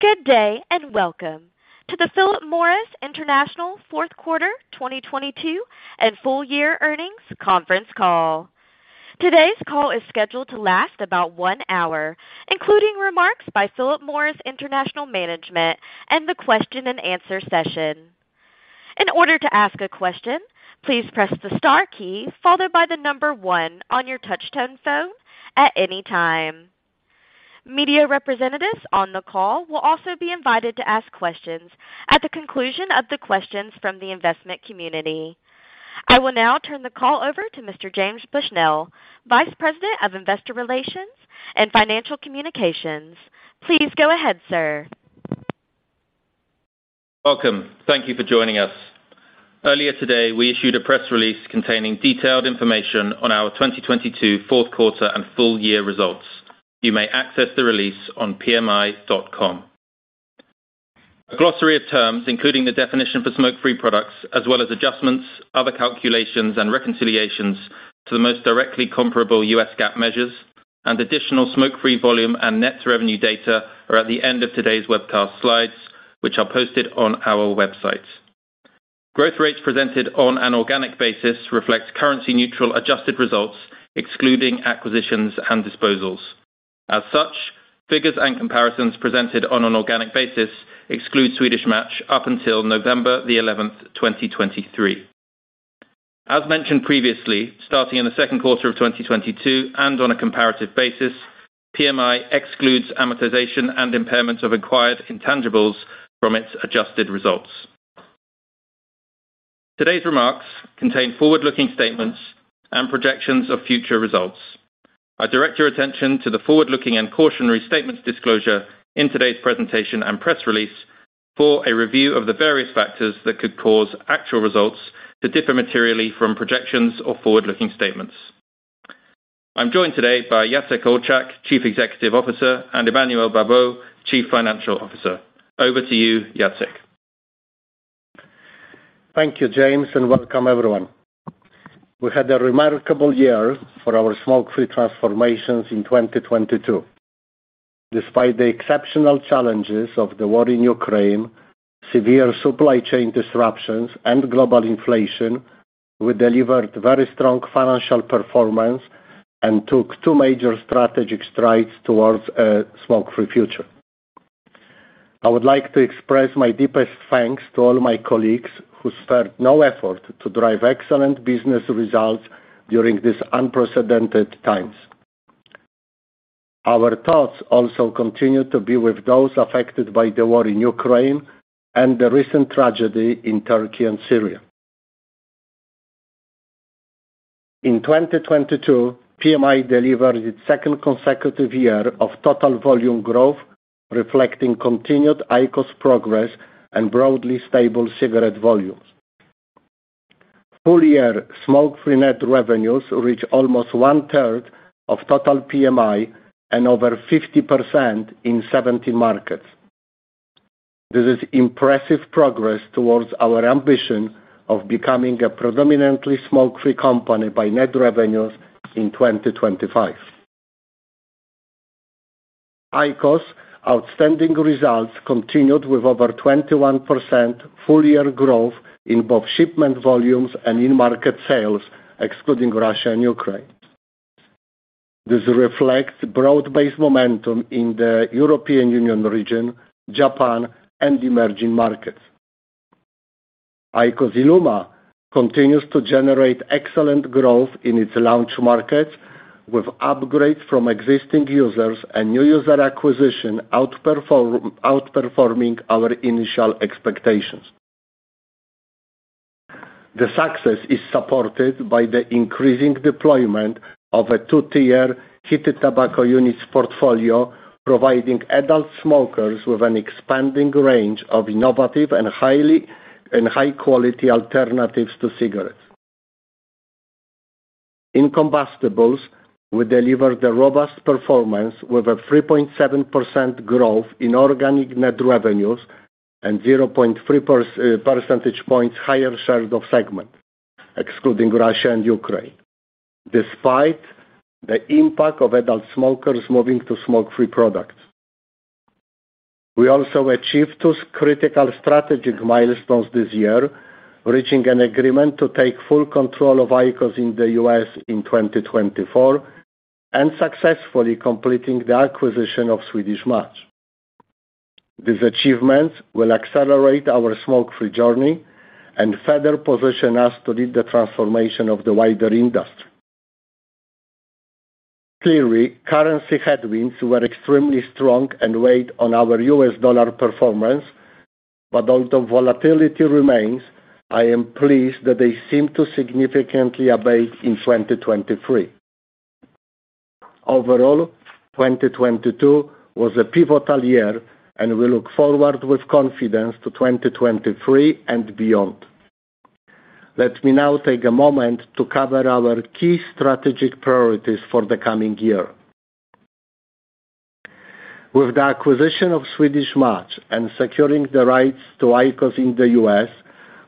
Good day. Welcome to the Philip Morris International Q4 2022 and full year earnings conference call. Today's call is scheduled to last about 1 hour, including remarks by Philip Morris International Management and the question-and-answer session. In order to ask a question, please press the star key followed by the number 1 on your touch-tone phone at any time. Media representatives on the call will also be invited to ask questions at the conclusion of the questions from the investment community. I will now turn the call over to Mr. James Bushnell, Vice President of Investor Relations and Financial Communications. Please go ahead, sir. Welcome. Thank you for joining us. Earlier today, we issued a press release containing detailed information on our 2022 Q4 and full-year results. You may access the release on pmi.com. A glossary of terms, including the definition for smoke-free products as well as adjustments, other calculations, and reconciliations to the most directly comparable U.S. GAAP measures and additional smoke-free volume and net revenue data are at the end of today's webcast slides, which are posted on our website. Growth rates presented on an organic basis reflects currency-neutral adjusted results, excluding acquisitions and disposals. As such, figures and comparisons presented on an organic basis exclude Swedish Match up until November the 11th, 2023. As mentioned previously, starting in the second quarter of 2022 and on a comparative basis, PMI excludes amortization and impairment of acquired intangibles from its adjusted results. Today's remarks contain forward-looking statements and projections of future results. I direct your attention to the forward-looking and cautionary statements disclosure in today's presentation and press release for a review of the various factors that could cause actual results to differ materially from projections or forward-looking statements. I'm joined today by Jacek Olczak, Chief Executive Officer, and Emmanuel Babeau, Chief Financial Officer. Over to you, Jacek. Thank you, James, and welcome everyone. We had a remarkable year for our smoke-free transformations in 2022. Despite the exceptional challenges of the war in Ukraine, severe supply chain disruptions, and global inflation, we delivered very strong financial performance and took two major strategic strides towards a smoke-free future. I would like to express my deepest thanks to all my colleagues who spared no effort to drive excellent business results during these unprecedented times. Our thoughts also continue to be with those affected by the war in Ukraine and the recent tragedy in Turkey and Syria. In 2022, PMI delivered its second consecutive year of total volume growth, reflecting continued IQOS progress and broadly stable cigarette volumes. Full-year smoke-free net revenues reached almost 1/3 of total PMI and over 50% in 70 markets. This is impressive progress towards our ambition of becoming a predominantly smoke-free company by net revenues in 2025. IQOS outstanding results continued with over 21% full-year growth in both shipment volumes and in market sales, excluding Russia and Ukraine. This reflects broad-based momentum in the European Union region, Japan and emerging markets. IQOS ILUMA continues to generate excellent growth in its launch markets with upgrades from existing users and new user acquisition outperforming our initial expectations. The success is supported by the increasing deployment of a two-tier heated tobacco units portfolio, providing adult smokers with an expanding range of innovative and highly and high-quality alternatives to cigarettes. In combustibles, we delivered a robust performance with a 3.7% growth in organic net revenues and 0.3 percentage points higher share of segment, excluding Russia and Ukraine, despite the impact of adult smokers moving to smoke-free products. We also achieved two critical strategic milestones this year, reaching an agreement to take full control of IQOS in the U.S. in 2024 and successfully completing the acquisition of Swedish Match. These achievements will accelerate our smoke-free journey and further position us to lead the transformation of the wider industry. Currency headwinds were extremely strong and weighed on our US dollar performance. Although volatility remains, I am pleased that they seem to significantly abate in 2023. 2022 was a pivotal year, and we look forward with confidence to 2023 and beyond. Let me now take a moment to cover our key strategic priorities for the coming year. With the acquisition of Swedish Match and securing the rights to IQOS in the U.S.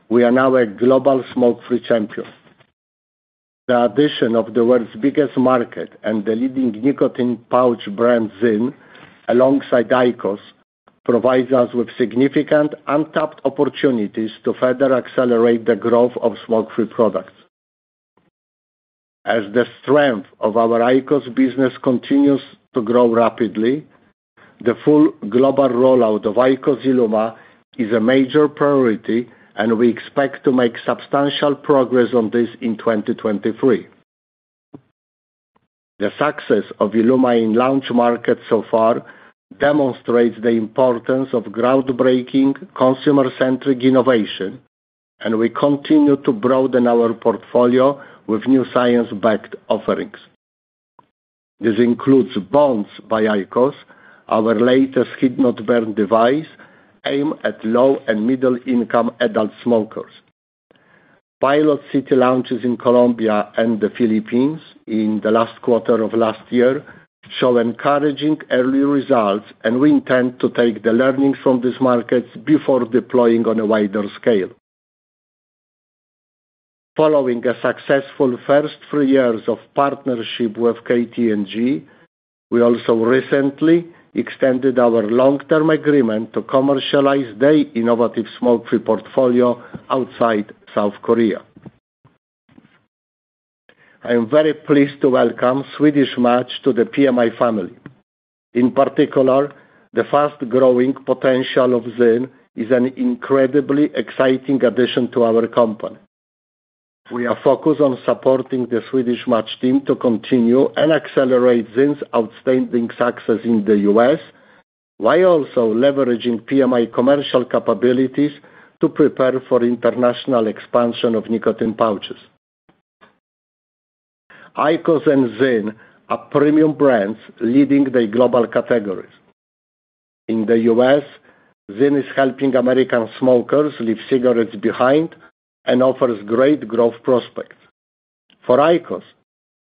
we are now a global smoke-free champion. The addition of the world's biggest market and the leading nicotine pouch brand ZYN, alongside IQOS, provides us with significant untapped opportunities to further accelerate the growth of smoke-free products. As the strength of our IQOS business continues to grow rapidly, the full global rollout of IQOS ILUMA is a major priority, and we expect to make substantial progress on this in 2023. The success of ILUMA in launch markets so far demonstrates the importance of groundbreaking consumer-centric innovation, and we continue to broaden our portfolio with new science-backed offerings. This includes BONDS by IQOS, our latest heat-not-burn device aimed at low- and middle-income adult smokers. Pilot city launches in Colombia and the Philippines in the last quarter of last year show encouraging early results, and we intend to take the learnings from these markets before deploying on a wider scale. Following a successful first 3 years of partnership with KT&G, we also recently extended our long-term agreement to commercialize their innovative smoke-free portfolio outside South Korea. I am very pleased to welcome Swedish Match to the PMI family. In particular, the fast-growing potential of ZYN is an incredibly exciting addition to our company. We are focused on supporting the Swedish Match team to continue and accelerate ZYN's outstanding success in the U.S. while also leveraging PMI commercial capabilities to prepare for international expansion of nicotine pouches. IQOS and ZYN are premium brands leading their global categories. In the US, ZYN is helping American smokers leave cigarettes behind and offers great growth prospects. For IQOS,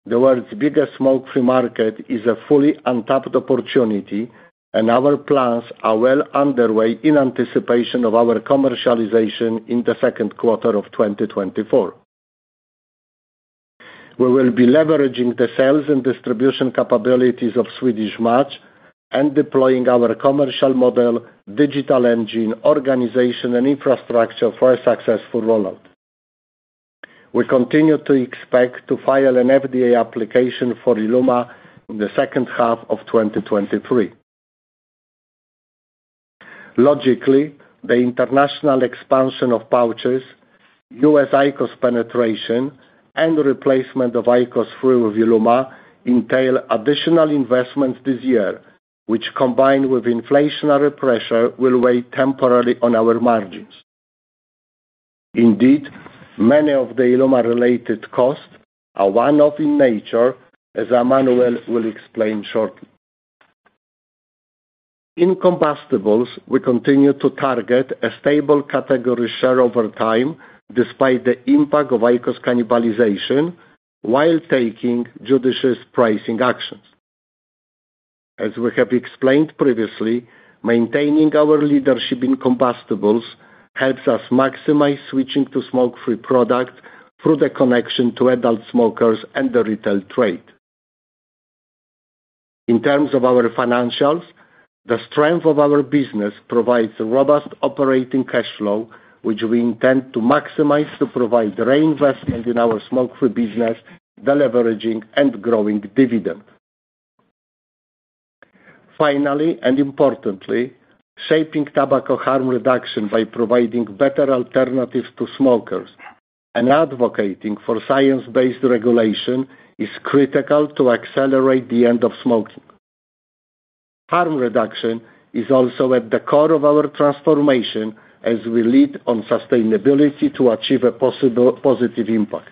the world's biggest smoke-free market is a fully untapped opportunity. Our plans are well underway in anticipation of our commercialization in Q2 of 2024. We will be leveraging the sales and distribution capabilities of Swedish Match and deploying our commercial model, digital engine, organization, and infrastructure for a successful rollout. We continue to expect to file an FDA application for ILUMA in the H2 of 2023. Logically, the international expansion of pouches, U.S. IQOS penetration, and replacement of IQOS free with ILUMA entail additional investments this year, which combined with inflationary pressure, will weigh temporarily on our margins. Indeed, many of the ILUMA-related costs are one-off in nature, as Emmanuel Babeau will explain shortly. In combustibles, we continue to target a stable category share over time despite the impact of IQOS cannibalization while taking judicious pricing actions. As we have explained previously, maintaining our leadership in combustibles helps us maximize switching to smoke-free products through the connection to adult smokers and the retail trade. In terms of our financials, the strength of our business provides a robust operating cash flow, which we intend to maximize to provide reinvestment in our smoke-free business, deleveraging, and growing dividend. Finally and importantly, shaping tobacco harm reduction by providing better alternatives to smokers and advocating for science-based regulation is critical to accelerate the end of smoking. Harm reduction is also at the core of our transformation as we lead on sustainability to achieve a possible positive impact.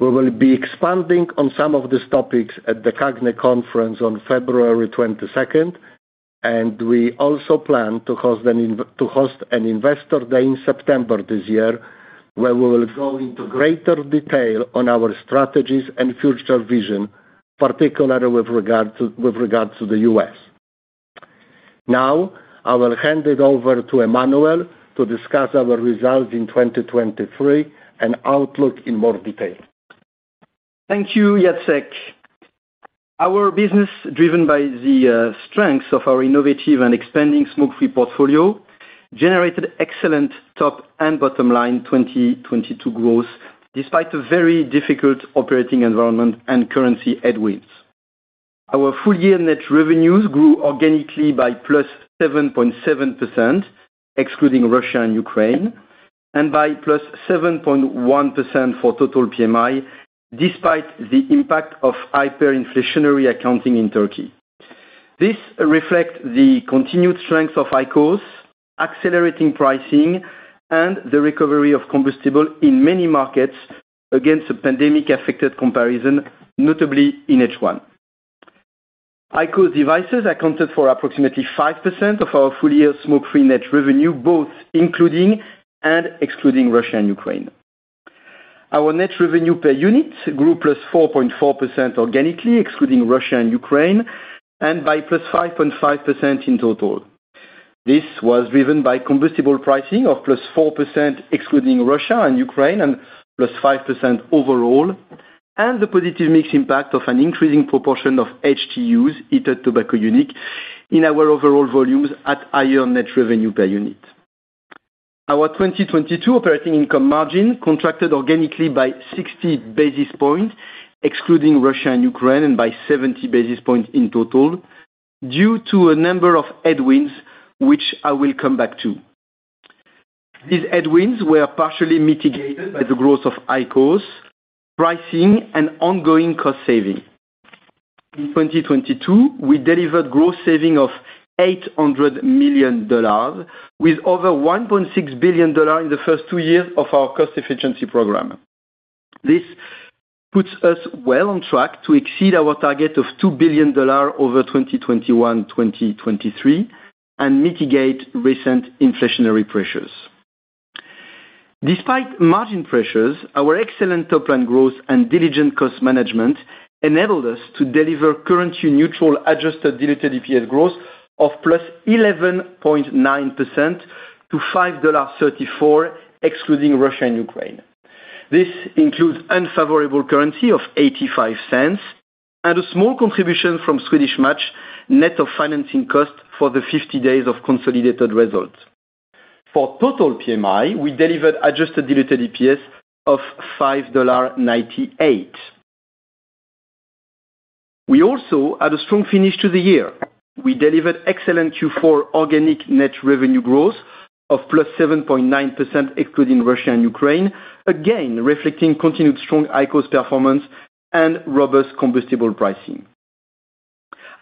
We will be expanding on some of these topics at the CAGNY conference on February 22nd, and we also plan to host an investor day in September this year, where we will go into greater detail on our strategies and future vision, particularly with regards to the U.S. I will hand it over to Emmanuel to discuss our results in 2023 and outlook in more detail. Thank you, Jacek. Our business, driven by the strength of our innovative and expanding smoke-free portfolio, generated excellent top and bottom line 2022 growth despite a very difficult operating environment and currency headwinds. Our full-year net revenues grew organically by +7.7%, excluding Russia and Ukraine, and by +7.1% for total PMI, despite the impact of hyperinflationary accounting in Turkey. This reflects the continued strength of IQOS, accelerating pricing, and the recovery of combustible in many markets against a pandemic-affected comparison, notably in H1. IQOS devices accounted for approximately 5% of our full-year smoke-free net revenue, both including and excluding Russia and Ukraine. Our net revenue per unit grew +4.4% organically, excluding Russia and Ukraine, and by +5.5% in total. This was driven by combustible pricing of +4% excluding Russia and Ukraine and +5% overall, and the positive mix impact of an increasing proportion of HTUs, heated tobacco unit, in our overall volumes at higher net revenue per unit. Our 2022 operating income margin contracted organically by 60 basis points excluding Russia and Ukraine and by 70 basis points in total due to a number of headwinds, which I will come back to. These headwinds were partially mitigated by the growth of IQOS, pricing and ongoing cost saving. In 2022, we delivered gross saving of $800 million with over $1.6 billion in the first two years of our cost efficiency program. This puts us well on track to exceed our target of $2 billion over 2021, 2023 and mitigate recent inflationary pressures. Despite margin pressures, our excellent top line growth and diligent cost management enabled us to deliver currency neutral adjusted diluted EPS growth of +11.9% to $5.34 excluding Russia and Ukraine. This includes unfavorable currency of $0.85 and a small contribution from Swedish Match net of financing costs for the 50 days of consolidated results. For total PMI, we delivered adjusted diluted EPS of $5.98. We also had a strong finish to the year. We delivered excellent Q4 organic net revenue growth of +7.9% excluding Russia and Ukraine, again reflecting continued strong IQOS performance and robust combustible pricing.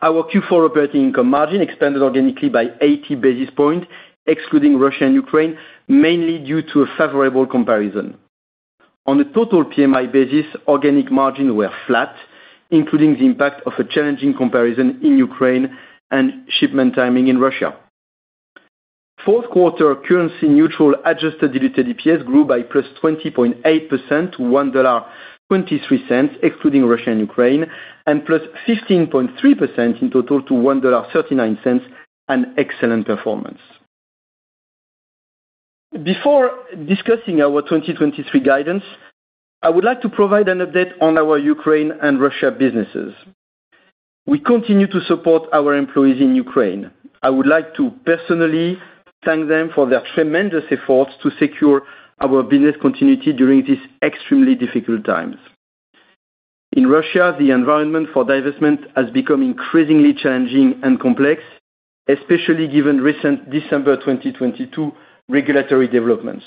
Our Q4 operating income margin expanded organically by 80 basis point excluding Russia and Ukraine, mainly due to a favorable comparison. On a total PMI basis, organic margin were flat, including the impact of a challenging comparison in Ukraine and shipment timing in Russia. Fourth quarter currency neutral adjusted diluted EPS grew by +20.8% to $1.23 excluding Russia and Ukraine, and +15.3% in total to $1.39, an excellent performance. Before discussing our 2023 guidance, I would like to provide an update on our Ukraine and Russia businesses. We continue to support our employees in Ukraine. I would like to personally thank them for their tremendous efforts to secure our business continuity during these extremely difficult times. In Russia, the environment for divestment has become increasingly challenging and complex, especially given recent December 2022 regulatory developments.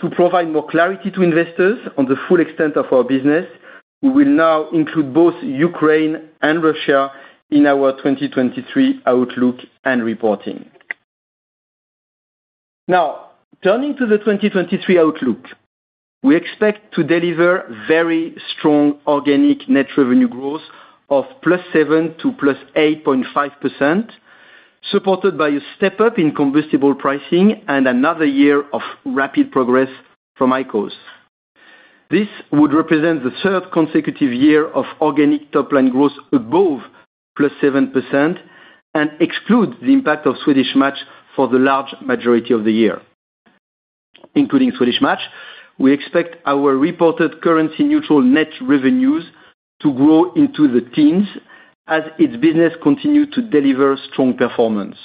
To provide more clarity to investors on the full extent of our business, we will now include both Ukraine and Russia in our 2023 outlook and reporting. Turning to the 2023 outlook. We expect to deliver very strong organic net revenue growth of +7% to +8.5%, supported by a step-up in combustible pricing and another year of rapid progress from IQOS. This would represent the third consecutive year of organic top line growth above +7% and excludes the impact of Swedish Match for the large majority of the year. Including Swedish Match, we expect our reported currency neutral net revenues to grow into the teens as its business continue to deliver strong performance.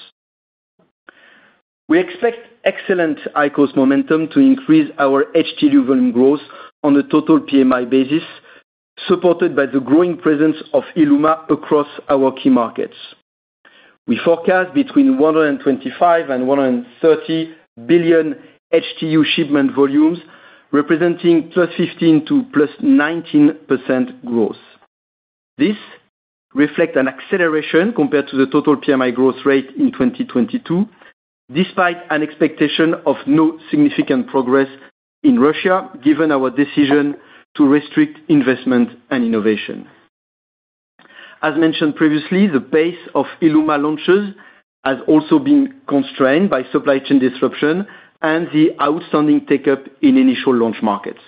We expect excellent IQOS momentum to increase our HTU volume growth on a total PMI basis, supported by the growing presence of ILUMA across our key markets. We forecast between 125 and 130 billion HTU shipment volumes, representing +15% to +19% growth. This reflect an acceleration compared to the total PMI growth rate in 2022, despite an expectation of no significant progress in Russia, given our decision to restrict investment and innovation. As mentioned previously, the pace of ILUMA launches has also been constrained by supply chain disruption and the outstanding take-up in initial launch markets.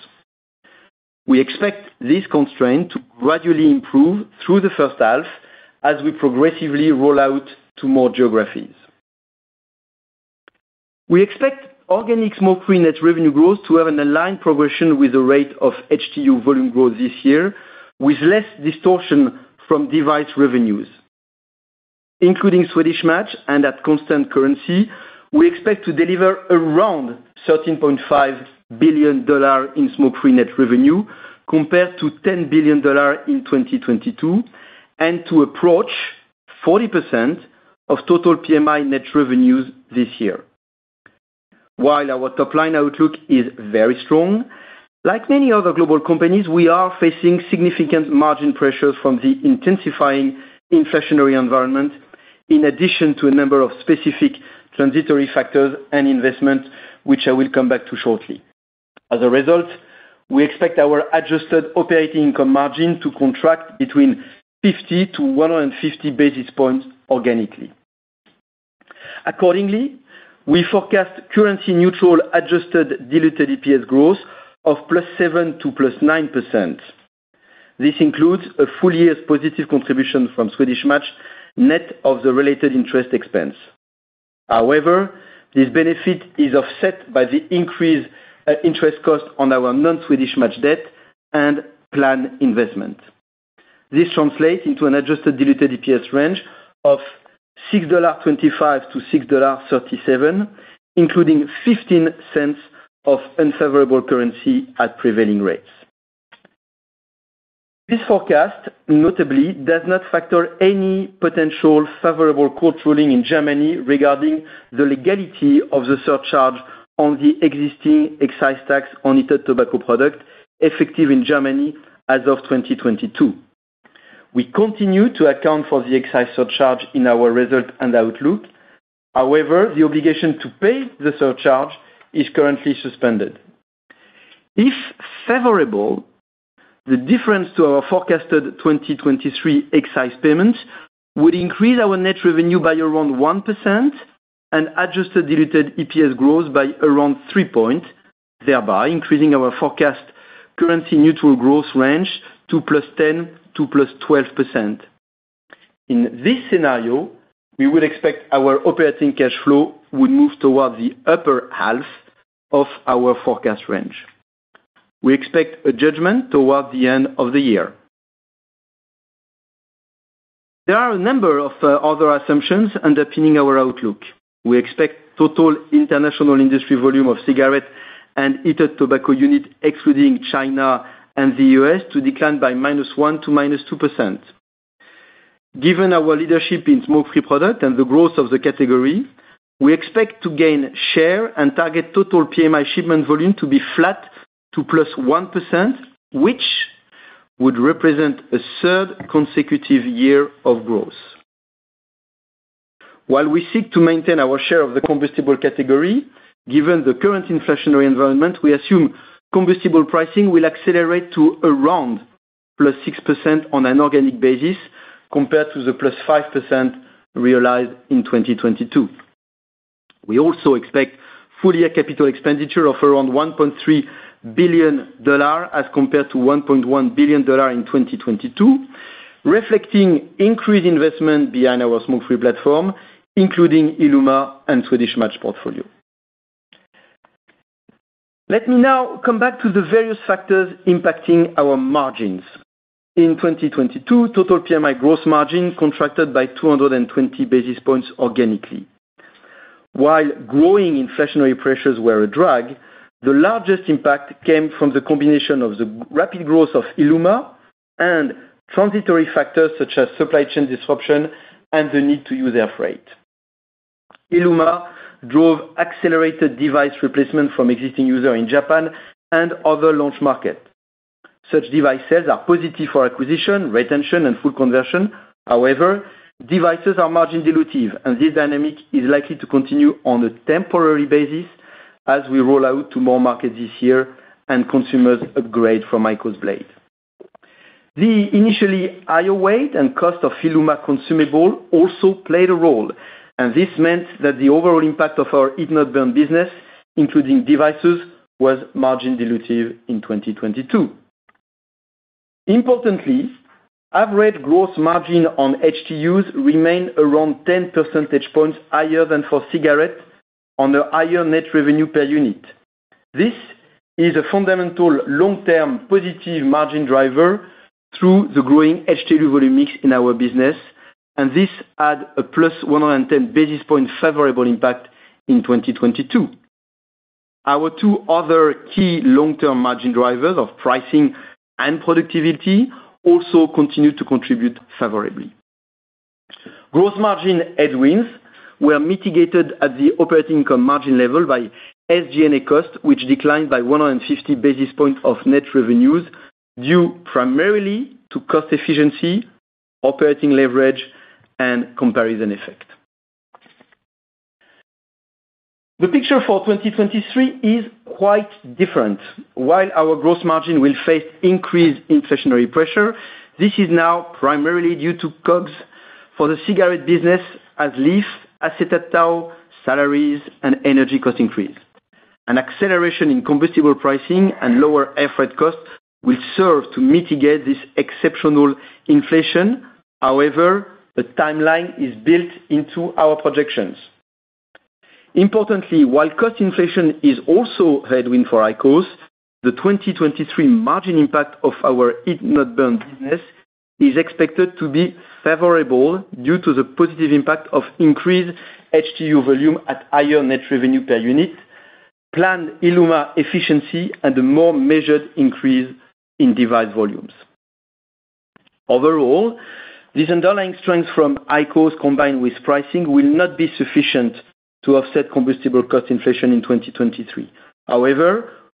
We expect this constraint to gradually improve through the first half as we progressively roll out to more geographies. We expect organic smoke-free net revenue growth to have an aligned progression with the rate of HTU volume growth this year, with less distortion from device revenues. Including Swedish Match and at constant currency, we expect to deliver around $13.5 billion in smoke-free net revenue compared to $10 billion in 2022, and to approach 40% of total PMI net revenues this year. While our top line outlook is very strong, like many other global companies, we are facing significant margin pressures from the intensifying inflationary environment, in addition to a number of specific transitory factors and investments, which I will come back to shortly. As a result, we expect our adjusted operating income margin to contract between 50-150 basis points organically. Accordingly, we forecast currency neutral adjusted diluted EPS growth of +7% to +9%. This includes a full year's positive contribution from Swedish Match, net of the related interest expense. However, this benefit is offset by the increased interest cost on our non-Swedish Match debt and planned investment. This translates into an adjusted diluted EPS range of $6.25-$6.37, including $0.15 of unfavorable currency at prevailing rates. This forecast notably does not factor any potential favorable court ruling in Germany regarding the legality of the surcharge on the existing excise tax on heated tobacco product effective in Germany as of 2022. We continue to account for the excise surcharge in our result and outlook. However, the obligation to pay the surcharge is currently suspended. If favorable, the difference to our forecasted 2023 excise payments would increase our net revenue by around 1% and adjusted diluted EPS growth by around 3%, thereby increasing our forecast currency neutral growth range to +10% to +12%. In this scenario, we would expect our operating cash flow would move towards the upper half of our forecast range. We expect a judgment toward the end of the year. There are a number of other assumptions underpinning our outlook. We expect total international industry volume of cigarette and heated tobacco unit, excluding China and the U.S. to decline by -1% to -2%. Given our leadership in smoke-free product and the growth of the category, we expect to gain share and target total PMI shipment volume to be flat to +1%, which would represent a third consecutive year of growth. While we seek to maintain our share of the combustible category, given the current inflationary environment, we assume combustible pricing will accelerate to around +6% on an organic basis compared to the +5% realized in 2022. We also expect full-year capital expenditure of around $1.3 billion as compared to $1.1 billion in 2022, reflecting increased investment behind our smoke-free platform, including ILUMA and Swedish Match portfolio. Let me now come back to the various factors impacting our margins. In 2022, total PMI gross margin contracted by 220 basis points organically. While growing inflationary pressures were a drag, the largest impact came from the combination of the rapid growth of ILUMA and transitory factors such as supply chain disruption and the need to use air freight. ILUMA drove accelerated device replacement from existing user in Japan and other launch market. Such device sales are positive for acquisition, retention, and full conversion. Devices are margin dilutive, and this dynamic is likely to continue on a temporary basis as we roll out to more markets this year and consumers upgrade from IQOS Blade. The initially higher weight and cost of ILUMA consumable also played a role, and this meant that the overall impact of our heat-not-burn business, including devices, was margin dilutive in 2022. Importantly, average gross margin on HTUs remained around 10 percentage points higher than for cigarettes on a higher net revenue per unit. This is a fundamental long-term positive margin driver through the growing HTU volume mix in our business, and this add a +110 basis point favorable impact in 2022. Our two other key long-term margin drivers of pricing and productivity also continue to contribute favorably. Gross margin headwinds were mitigated at the operating income margin level by SG&A costs, which declined by 150 basis points of net revenues due primarily to cost efficiency, operating leverage, and comparison effect. The picture for 2023 is quite different. While our gross margin will face increased inflationary pressure, this is now primarily due to COGS for the cigarette business as leaf, acetate tow, salaries, and energy cost increase. An acceleration in combustible pricing and lower air freight costs will serve to mitigate this exceptional inflation. However, the timeline is built into our projections. Importantly, while cost inflation is also a headwind for IQOS, the 2023 margin impact of our heat-not-burn business is expected to be favorable due to the positive impact of increased HTU volume at higher net revenue per unit, planned ILUMA efficiency, and a more measured increase in device volumes. Overall, these underlying strengths from IQOS combined with pricing will not be sufficient to offset combustible cost inflation in 2023.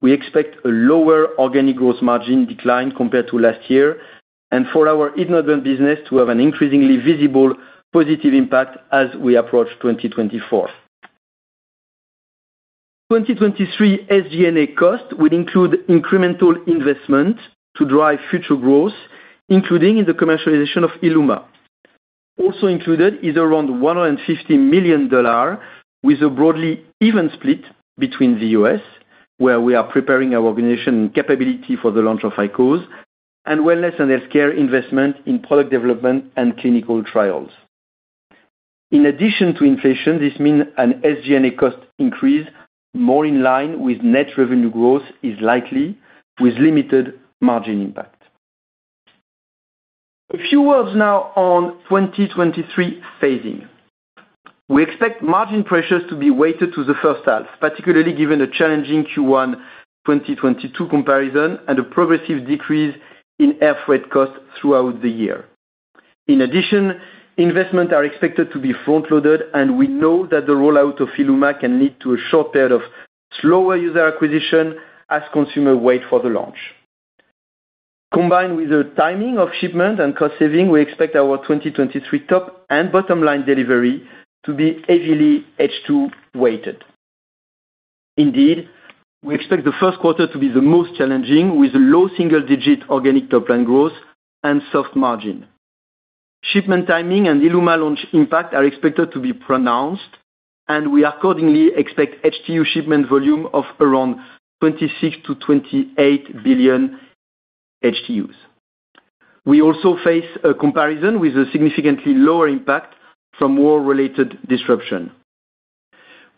We expect a lower organic growth margin decline compared to last year and for our heat-not-burn business to have an increasingly visible positive impact as we approach 2024. 2023 SG&A costs will include incremental investment to drive future growth, including in the commercialization of ILUMA. Included is around $150 million with a broadly even split between the U.S., where we are preparing our organization capability for the launch of IQOS and wellness and healthcare investment in product development and clinical trials. In addition to inflation, this means an SG&A cost increase more in line with net revenue growth is likely with limited margin impact. A few words now on 2023 phasing. We expect margin pressures to be weighted to the first half, particularly given a challenging Q1 2022 comparison and a progressive decrease in air freight costs throughout the year. In addition, investments are expected to be front-loaded, and we know that the rollout of ILUMA can lead to a short period of slower user acquisition as consumer wait for the launch. Combined with the timing of shipment and cost saving, we expect our 2023 top and bottom line delivery to be heavily H2 weighted. We expect the first quarter to be the most challenging, with low single-digit organic top line growth and soft margin. Shipment timing and ILUMA launch impact are expected to be pronounced, and we accordingly expect HTU shipment volume of around 26 billion-28 billion HTUs. We also face a comparison with a significantly lower impact from war-related disruption.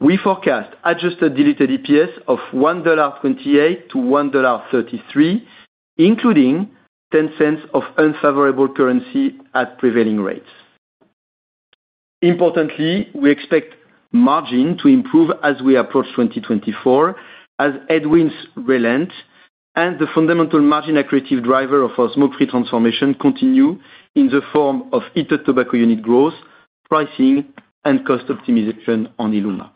We forecast adjusted diluted EPS of $1.28 to $1.33, including $0.10 of unfavorable currency at prevailing rates. Importantly, we expect margin to improve as we approach 2024, as headwinds relent and the fundamental margin accretive driver of our smoke-free transformation continue in the form of heated tobacco unit growth, pricing, and cost optimization on ILUMA.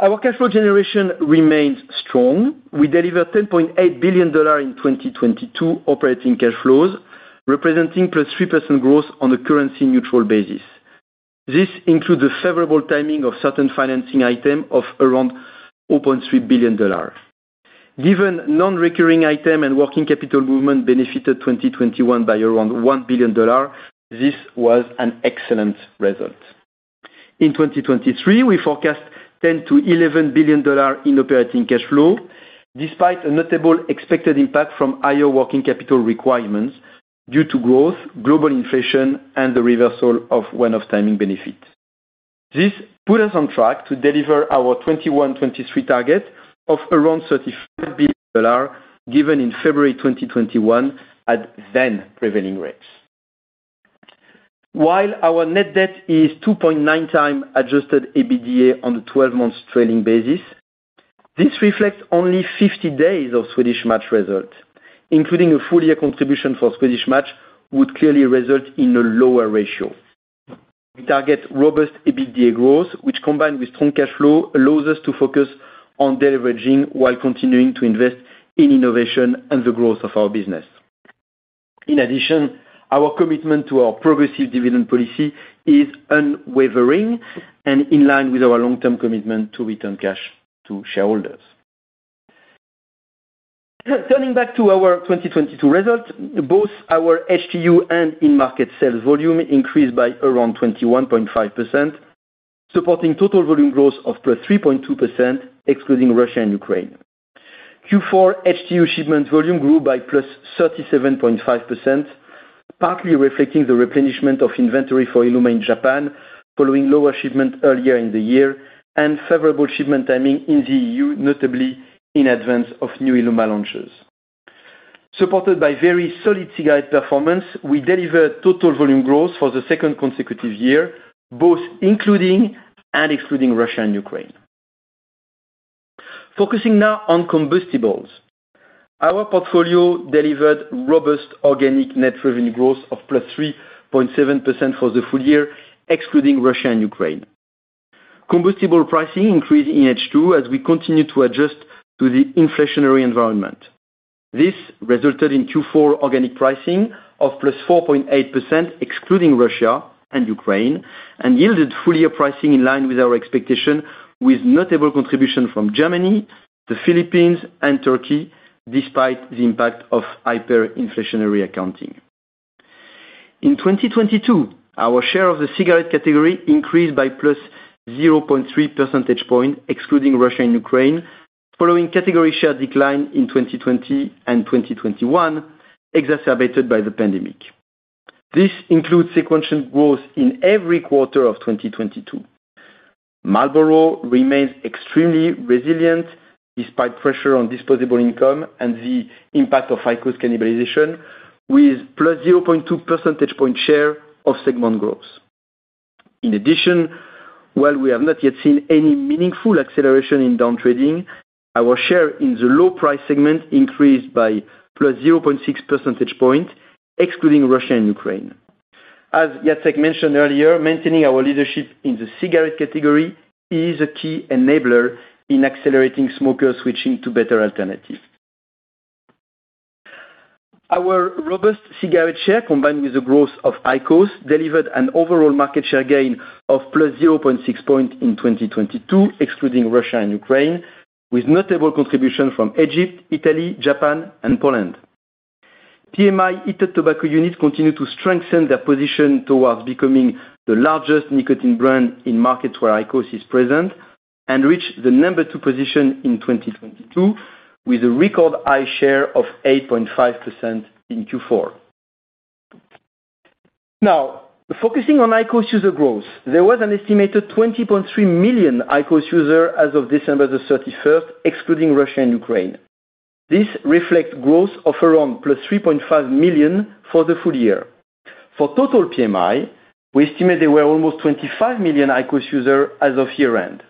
Our cash flow generation remains strong. We delivered $10.8 billion in 2022 operating cash flows, representing +3% growth on a currency-neutral basis. This includes the favorable timing of certain financing item of around $0.3 billion. Given non-recurring item and working capital movement benefited 2021 by around $1 billion, this was an excellent result. In 2023, we forecast $10 billion-$11 billion in operating cash flow, despite a notable expected impact from higher working capital requirements due to growth, global inflation, and the reversal of one-off timing benefits. This put us on track to deliver our 2021-2023 target of around $35 billion given in February 2021 at then prevailing rates. While our net debt is 2.9x adjusted EBITDA on the 12 months trailing basis, this reflects only 50 days of Swedish Match results, including a full year contribution for Swedish Match would clearly result in a lower ratio. We target robust EBITDA growth, which, combined with strong cash flow, allows us to focus on deleveraging while continuing to invest in innovation and the growth of our business. In addition, our commitment to our progressive dividend policy is unwavering and in line with our long-term commitment to return cash to shareholders. Turning back to our 2022 results, both our HTU and in-market sales volume increased by around 21.5%, supporting total volume growth of +3.2%, excluding Russia and Ukraine. Q4 HTU shipment volume grew by +37.5%, partly reflecting the replenishment of inventory for ILUMA in Japan, following lower shipment earlier in the year and favorable shipment timing in the EU, notably in advance of new ILUMA launches. Supported by very solid cigarette performance, we delivered total volume growth for the second consecutive year, both including and excluding Russia and Ukraine. Focusing now on combustibles. Our portfolio delivered robust organic net revenue growth of +3.7% for the full year, excluding Russia and Ukraine. Combustible pricing increased in H2 as we continue to adjust to the inflationary environment. This resulted in Q4 organic pricing of +4.8%, excluding Russia and Ukraine, and yielded full year pricing in line with our expectation, with notable contribution from Germany, the Philippines and Turkey, despite the impact of hyperinflationary accounting. In 2022, our share of the cigarette category increased by +0.3 percentage point, excluding Russia and Ukraine, following category share decline in 2020 and 2021, exacerbated by the pandemic. This includes sequential growth in every quarter of 2022. Marlboro remains extremely resilient, despite pressure on disposable income and the impact of high cost cannibalization, with +0.2 percentage point share of segment growth. In addition, while we have not yet seen any meaningful acceleration in down trading, our share in the low price segment increased by +0.6 percentage point, excluding Russia and Ukraine. As Jacek mentioned earlier, maintaining our leadership in the cigarette category is a key enabler in accelerating smokers switching to better alternatives. Our robust cigarette share, combined with the growth of IQOS, delivered an overall market share gain of +0.6 point in 2022, excluding Russia and Ukraine. With notable contribution from Egypt, Italy, Japan and Poland. PMI heated tobacco unit continue to strengthen their position towards becoming the largest nicotine brand in markets where IQOS is present and reach the number two position in 2022 with a record high share of 8.5% in Q4. Focusing on IQOS user growth, there was an estimated 20.3 million IQOS user as of December 31st, excluding Russia and Ukraine. This reflects growth of around +3.5 million for the full year. For total PMI, we estimate there were almost 25 million IQOS user as of year-end.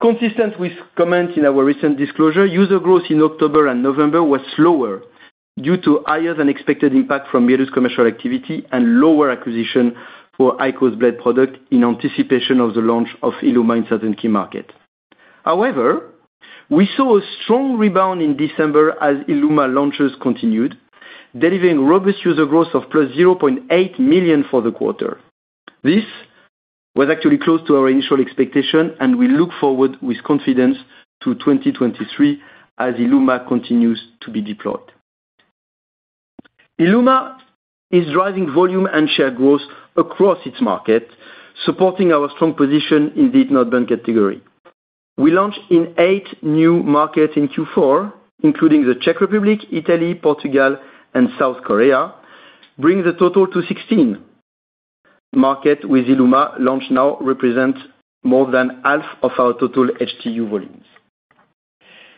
Consistent with comments in our recent disclosure, user growth in October and November was slower due to higher than expected impact from Belarus commercial activity and lower acquisition for IQOS Blade product in anticipation of the launch of ILUMA in certain key market. We saw a strong rebound in December as ILUMA launches continued, delivering robust user growth of +0.8 million for the quarter. This was actually close to our initial expectation, we look forward with confidence to 2023 as ILUMA continues to be deployed. ILUMA is driving volume and share growth across its market, supporting our strong position in the heat-not-burn category. We launched in eight new markets in Q4, including the Czech Republic, Italy, Portugal and South Korea, bringing the total to 16 market, with ILUMA launch now represent more than half of our total HTU volumes.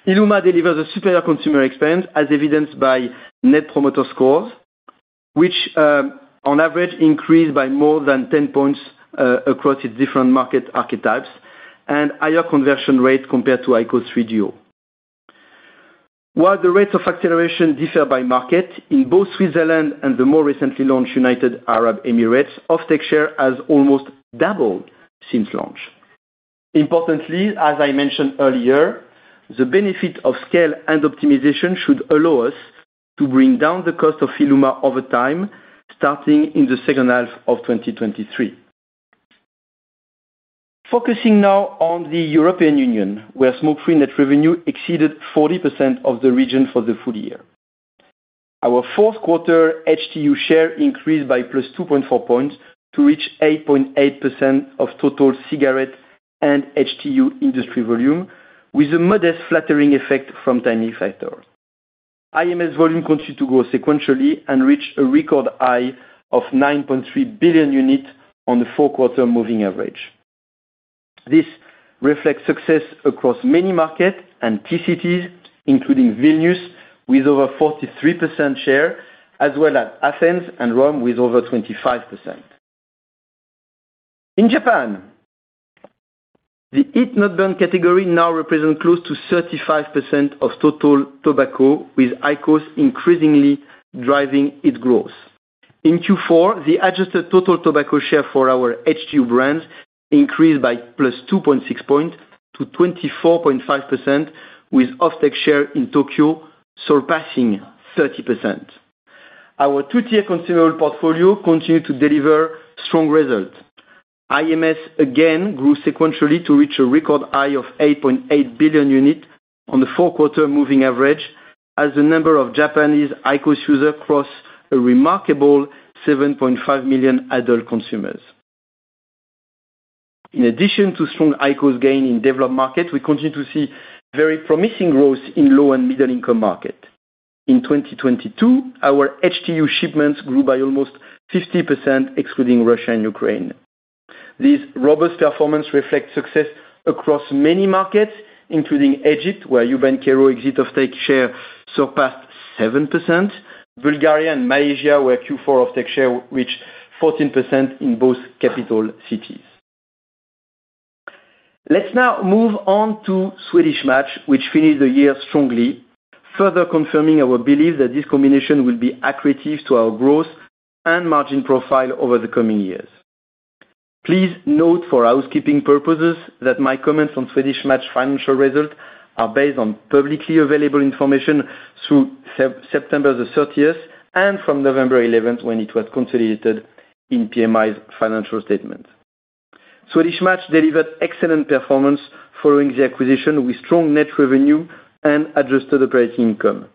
ILUMA delivers a superior consumer experience as evidenced by Net Promoter Score, which on average increased by more than 10 points across its different market archetypes and higher conversion rate compared to IQOS DUO. While the rates of acceleration differ by market, in both Switzerland and the more recently launched United Arab Emirates, offtake share has almost doubled since launch. Importantly, as I mentioned earlier, the benefit of scale and optimization should allow us to bring down the cost of ILUMA over time, starting in the H2 of 2023. Focusing now on the European Union, where smoke-free net revenue exceeded 40% of the region for the full year. Our Q4 HTU share increased by +2.4 points to reach 8.8% of total cigarette and HTU industry volume with a modest flattering effect from timing factors. IMS volume continued to grow sequentially and reach a record high of 9.3 billion unit on the fourth quarter moving average. This reflects success across many markets and TCTs, including Vilnius, with over 43% share, as well as Athens and Rome with over 25%. In Japan, the heat-not-burn category now represent close to 35% of total tobacco, with IQOS increasingly driving its growth. In Q4, the adjusted total tobacco share for our HTU brands increased by +2.6 points to 24.5%, with offtake share in Tokyo surpassing 30%. Our two-tier consumable portfolio continued to deliver strong results. IMS again grew sequentially to reach a record high of 8.8 billion units on the four-quarter moving average as the number of Japanese IQOS user crossed a remarkable 7.5 million adult consumers. In addition to strong IQOS gain in developed markets, we continue to see very promising growth in low and middle-income markets. In 2022, our HTU shipments grew by almost 50%, excluding Russia and Ukraine. This robust performance reflects success across many markets, including Egypt, where Urban Cairo offtake share surpassed 7%. Bulgaria and Malaysia, where Q4 offtake share reached 14% in both capital cities. Let's now move on to Swedish Match, which finished the year strongly, further confirming our belief that this combination will be accretive to our growth and margin profile over the coming years. Please note for housekeeping purposes that my comments on Swedish Match financial results are based on publicly available information through September 30th and from November 11th when it was consolidated in PMI's financial statement. Swedish Match delivered excellent performance following the acquisition with strong net revenue and adjusted operating income.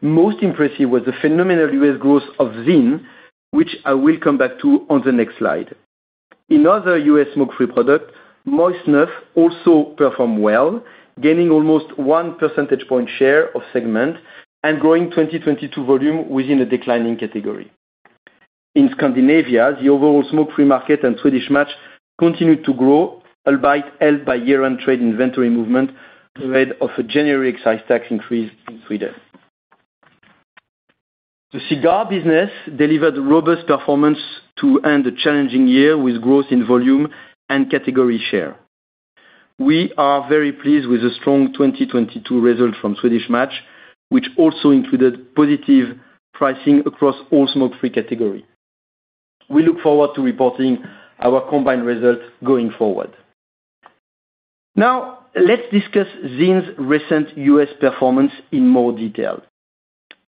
Most impressive was the phenomenal U.S. growth of Zyn, which I will come back to on the next slide. In other U.S. smoke-free product, moist snuff also performed well, gaining almost 1 percentage point share of segment and growing 2022 volume within a declining category. In Scandinavia, the overall smoke-free market and Swedish Match continued to grow, albeit helped by year-end trade inventory movement ahead of a January excise tax increase in Sweden. The cigar business delivered robust performance to end a challenging year with growth in volume and category share. We are very pleased with the strong 2022 result from Swedish Match, which also included positive pricing across all smoke-free category. We look forward to reporting our combined results going forward. Now, let's discuss ZYN's recent U.S. performance in more detail.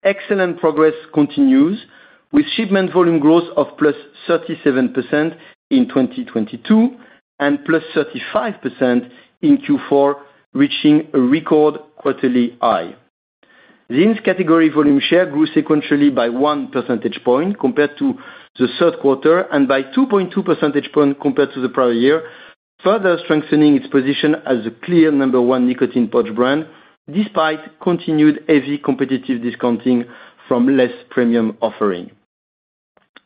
Excellent progress continues with shipment volume growth of +37% in 2022 and +35% in Q4, reaching a record quarterly high. ZYN's category volume share grew sequentially by 1 percentage point compared to the Q3 and by 2.2 percentage point compared to the prior year, further strengthening its position as a clear number 1 nicotine pouch brand, despite continued heavy competitive discounting from less premium offering.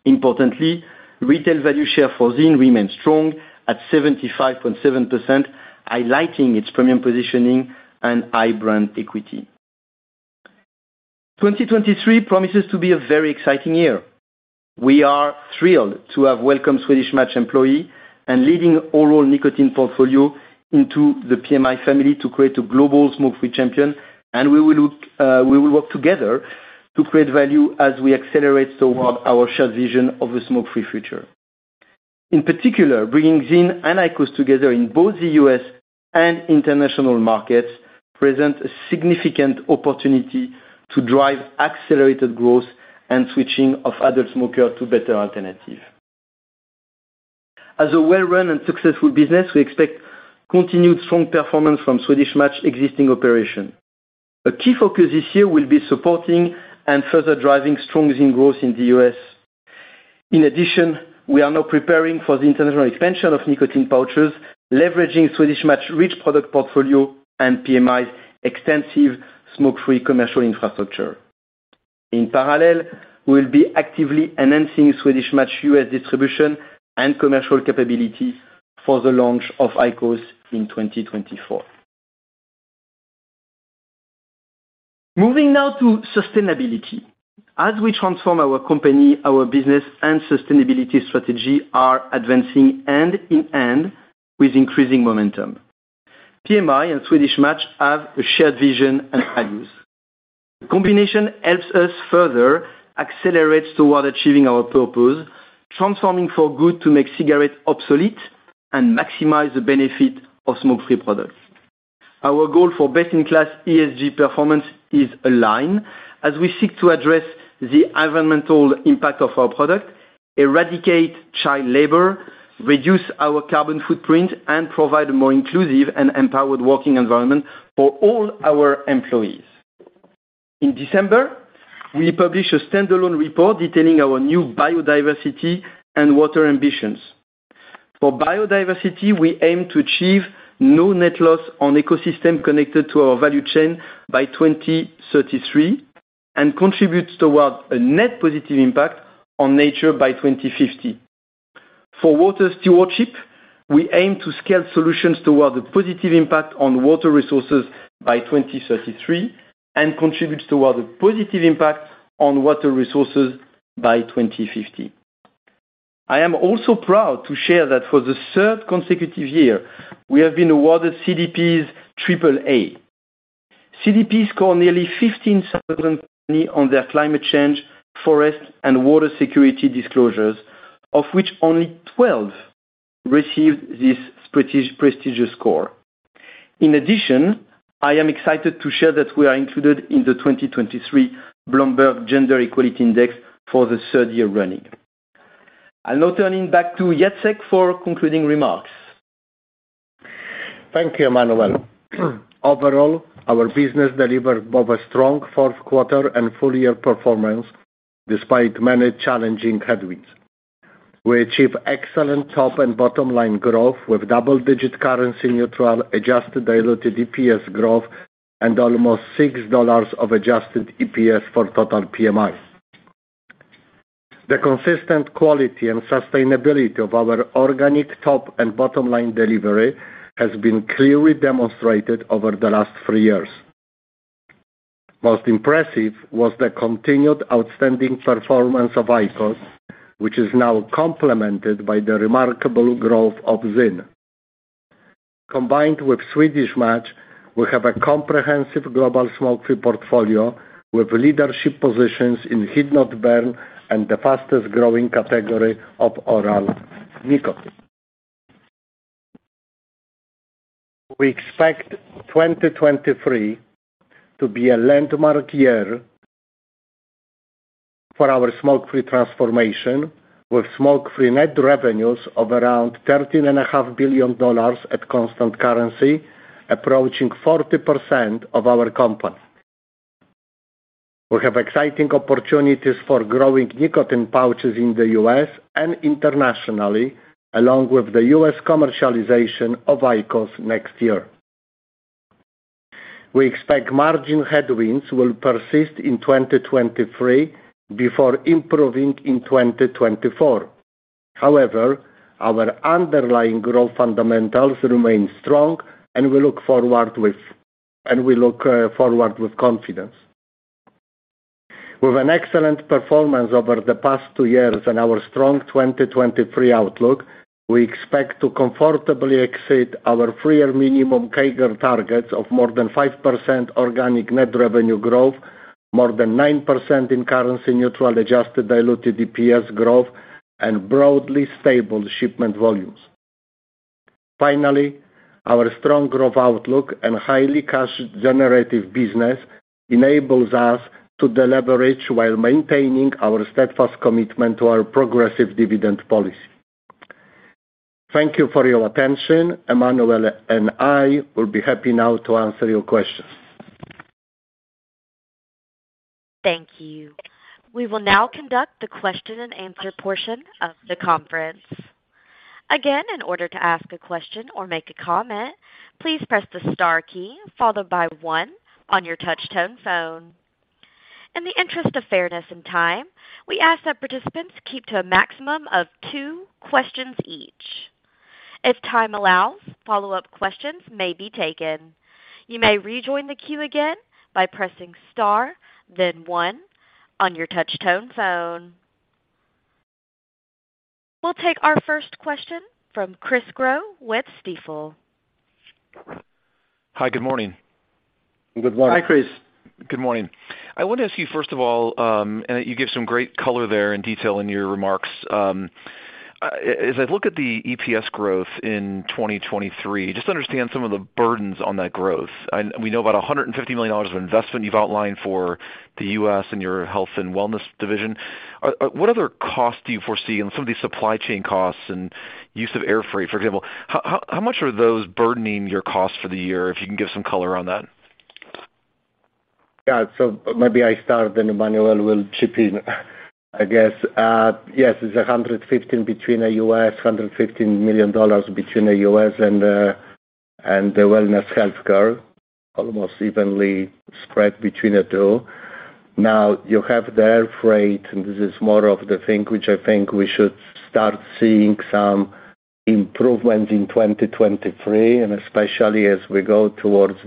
Importantly, retail value share for ZYN remains strong at 75.7%, highlighting its premium positioning and high brand equity. 2023 promises to be a very exciting year. We are thrilled to have welcomed Swedish Match employee and leading oral nicotine portfolio into the PMI family to create a global smoke-free champion. We will work together to create value as we accelerate toward our shared vision of a smoke-free future. In particular, bringing ZYN and IQOS together in both the U.S. and international markets present a significant opportunity to drive accelerated growth and switching of adult smoker to better alternative. As a well-run and successful business, we expect continued strong performance from Swedish Match existing operation. A key focus this year will be supporting and further driving strong ZYN growth in the U.S. In addition, we are now preparing for the international expansion of nicotine pouches, leveraging Swedish Match rich product portfolio and PMI's extensive smoke-free commercial infrastructure. In parallel, we'll be actively enhancing Swedish Match U.S. distribution and commercial capabilities for the launch of IQOS in 2024. Moving now to sustainability. As we transform our company, our business and sustainability strategy are advancing hand in hand with increasing momentum. PMI and Swedish Match have a shared vision and values. Combination helps us further accelerate toward achieving our purpose, transforming for good to make cigarettes obsolete and maximize the benefit of smoke-free products. Our goal for best-in-class ESG performance is aligned as we seek to address the environmental impact of our product, eradicate child labor, reduce our carbon footprint, and provide a more inclusive and empowered working environment for all our employees. In December, we published a standalone report detailing our new biodiversity and water ambitions. For biodiversity, we aim to achieve no net loss on ecosystem connected to our value chain by 2033 and contribute towards a net positive impact on nature by 2050. For water stewardship, we aim to scale solutions toward a positive impact on water resources by 2033 and contribute toward a positive impact on water resources by 2050. I am also proud to share that for the third consecutive year, we have been awarded CDP's Triple A. CDP scored nearly 15,000 company on their climate change, forest, and water security disclosures, of which only 12 received this prestigious score. In addition, I am excited to share that we are included in the 2023 Bloomberg Gender-Equality Index for the third year running. I'll now turning back to Jacek for concluding remarks. Thank you, Emmanuel. Overall, our business delivered over strong Q4 and full-year performance despite many challenging headwinds. We achieved excellent top and bottom line growth with double-digit currency-neutral adjusted diluted EPS growth and almost $6 of adjusted EPS for total PMI. The consistent quality and sustainability of our organic top and bottom line delivery has been clearly demonstrated over the last 3 years. Most impressive was the continued outstanding performance of IQOS, which is now complemented by the remarkable growth of ZYN. Combined with Swedish Match, we have a comprehensive global smoke-free portfolio with leadership positions in heat-not-burn and the fastest-growing category of oral nicotine. We expect 2023 to be a landmark year for our smoke-free transformation with smoke-free net revenues of around thirteen and a half billion dollars at constant currency, approaching 40% of our company. We have exciting opportunities for growing nicotine pouches in the U.S. and internationally, along with the U.S. commercialization of IQOS next year. We expect margin headwinds will persist in 2023 before improving in 2024. Our underlying growth fundamentals remain strong, and we look forward with confidence. With an excellent performance over the past 2 years and our strong 2023 outlook, we expect to comfortably exceed our 3-year minimum CAGR targets of more than 5% organic net revenue growth, more than 9% in currency neutral adjusted diluted EPS growth, and broadly stable shipment volumes. Our strong growth outlook and highly cash generative business enables us to deleverage while maintaining our steadfast commitment to our progressive dividend policy. Thank you for your attention. Emmanuel and I will be happy now to answer your questions. Thank you. We will now conduct the question-and-answer portion of the conference. Again, in order to ask a question or make a comment, please press the star key followed by one on your touch tone phone. In the interest of fairness and time, we ask that participants keep to a maximum of two questions each. If time allows, follow-up questions may be taken. You may rejoin the queue again by pressing star then one on your touch tone phone. We'll take our first question from Chris Growe with Stifel. Hi, good morning. Good morning. Hi, Chris. Good morning. I want to ask you, first of all, you give some great color there and detail in your remarks. As I look at the EPS growth in 2023, just understand some of the burdens on that growth. We know about $150 million of investment you've outlined for the U.S. and your health and wellness division. What other costs do you foresee and some of these supply chain costs and use of airfreight, for example, how much are those burdening your costs for the year? If you can give some color on that. Yeah. Maybe I start, then Emmanuel will chip in, I guess. Yes. It's $115 million between the U.S. and the wellness healthcare, almost evenly spread between the two. You have the airfreight, and this is more of the thing which I think we should start seeing some improvement in 2023, and especially as we go towards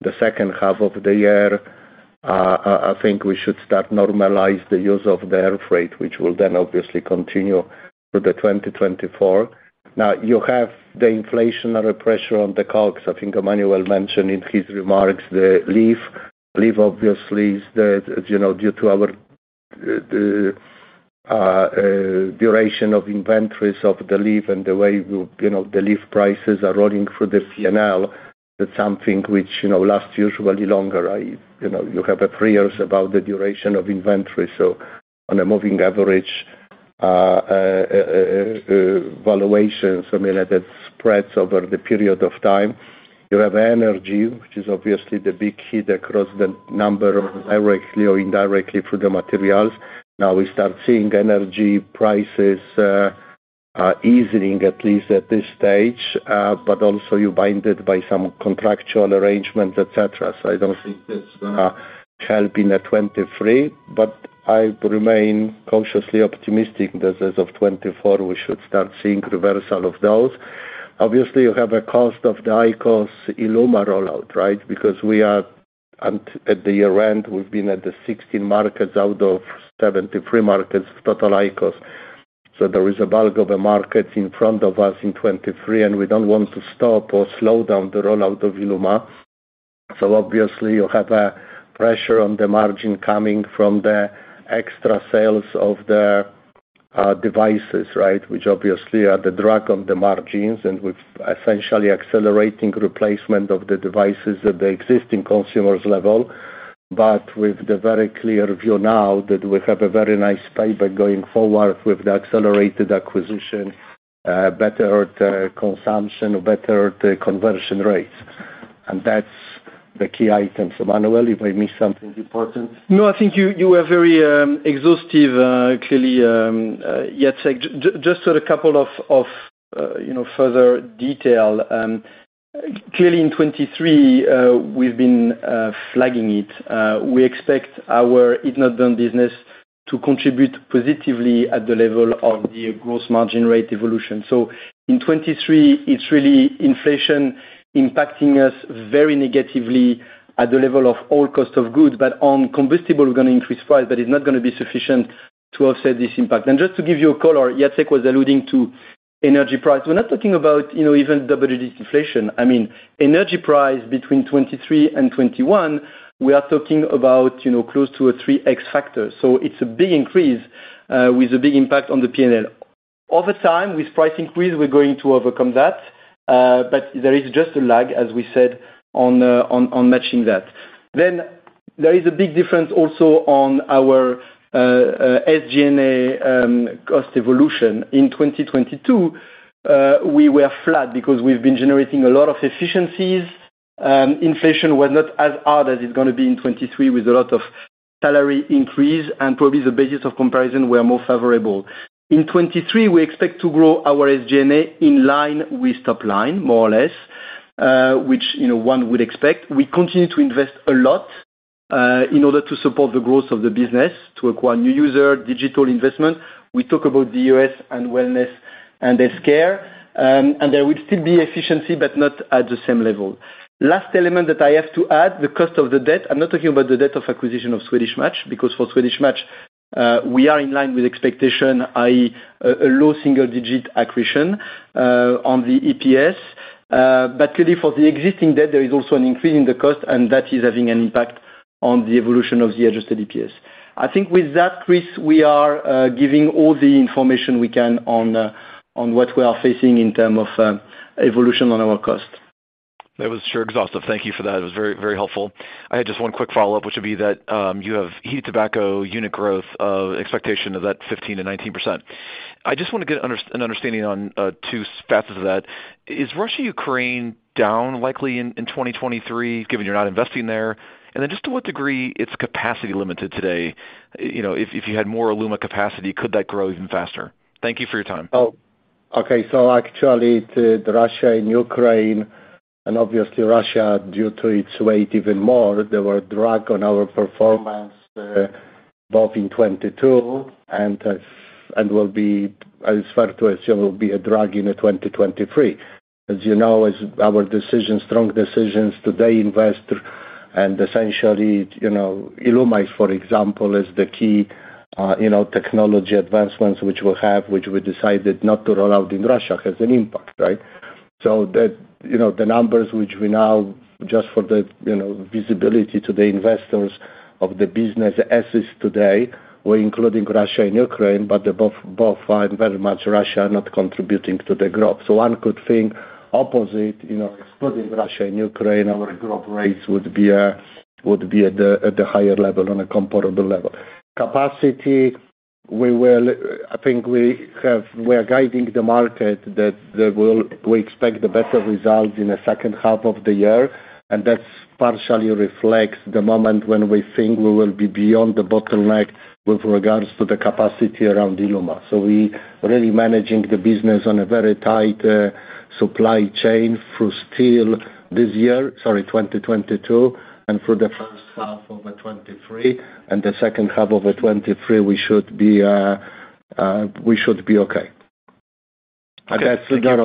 the second half of the year. I think we should start normalize the use of the airfreight, which will then obviously continue through the 2024. You have the inflationary pressure on the COGS. I think Emmanuel mentioned in his remarks the leaf. Leaf obviously is the, you know, due to our duration of inventories of the leaf and the way you know, the leaf prices are rolling through the P&L. That's something which, you know, lasts usually longer. You know, you have 3 years about the duration of inventory. On a moving average valuation, similarly that spreads over the period of time. You have energy, which is obviously the big hit across the number, directly or indirectly through the materials. Now we start seeing energy prices easing at least at this stage, but also you're binded by some contractual arrangements, et cetera. I don't think that's gonna help in the 2023, but I remain cautiously optimistic that as of 2024, we should start seeing reversal of those. Obviously, you have a cost of the IQOS ILUMA rollout, right? We are at the year-end, we've been at the 16 markets out of 73 markets, total IQOS. There is a bulk of the markets in front of us in 2023, and we don't want to stop or slow down the rollout of ILUMA. Obviously, you have a pressure on the margin coming from the extra sales of the devices, right? Which obviously are the drag on the margins and with essentially accelerating replacement of the devices at the existing consumers level. With the very clear view now that we have a very nice payback going forward with the accelerated acquisition, better consumption, better conversion rates. That's the key items. Emmanuel, you may miss something important. No, I think you were very exhaustive, clearly, Jacek. Just a couple of, you know, further detail. Clearly in 2023, we've been flagging it. We expect our heat-not-burn business to contribute positively at the level of the gross margin rate evolution. In 2023, it's really inflation impacting us very negatively at the level of all cost of goods, but on combustible, we're gonna increase price, but it's not gonna be sufficient to offset this impact. Just to give you a color, Jacek was alluding to energy price. We're not talking about, you know, even double-digit inflation. I mean, energy price between 2023 and 2021, we are talking about, you know, close to a 3x factor. It's a big increase with a big impact on the P&L. Over time, with price increase, we're going to overcome that. There is just a lag, as we said, on matching that. There is a big difference also on our SG&A cost evolution. In 2022, we were flat because we've been generating a lot of efficiencies. Inflation was not as hard as it's gonna be in 2023 with a lot of salary increase. Probably the basis of comparison were more favorable. In 2023, we expect to grow our SG&A in line with top line more or less, which, you know, one would expect. We continue to invest a lot in order to support the growth of the business, to acquire new user, digital investment. We talk about the U.S. and wellness and healthcare. There will still be efficiency, but not at the same level. Last element that I have to add, the cost of the debt. I'm not talking about the debt of acquisition of Swedish Match, because for Swedish Match, we are in line with expectation, i.e., a low single-digit accretion on the EPS. Clearly for the existing debt, there is also an increase in the cost, and that is having an impact on the evolution of the adjusted EPS. I think with that, Chris, we are giving all the information we can on what we are facing in term of evolution on our cost. That was sure exhaustive. Thank you for that. It was very, very helpful. I had just one quick follow-up, which would be that, you have heated tobacco unit growth of expectation of that 15%-19%. I just wanna get an understanding on two facets of that. Is Russia-Ukraine down likely in 2023, given you're not investing there? Just to what degree it's capacity limited today. You know, if you had more ILUMA capacity, could that grow even faster? Thank you for your time. Actually to the Russia and Ukraine, and obviously Russia due to its weight even more, they were a drag on our performance, both in 2022 and as, and will be, as far to as, you know, be a drag in 2023. As you know, as our decision, strong decisions today invest and essentially, you know, ILUMA, for example, is the key, you know, technology advancements which we'll have, which we decided not to roll out in Russia, has an impact, right? That, you know, the numbers which we now just for the, you know, visibility to the investors of the business as is today, we're including Russia and Ukraine, but they're both are very much Russia not contributing to the growth. One could think opposite, you know, excluding Russia and Ukraine, our growth rates would be at the, at the higher level, on a comparable level. Capacity, we will, I think we have. We're guiding the market that we expect the better results in H2 of the year, and that's partially reflects the moment when we think we will be beyond the bottleneck with regards to the capacity around ILUMA. We really managing the business on a very tight supply chain through still this year. Sorry, 2022, and for H1 of 2023. The H2 of 2023, we should be okay. That's, again,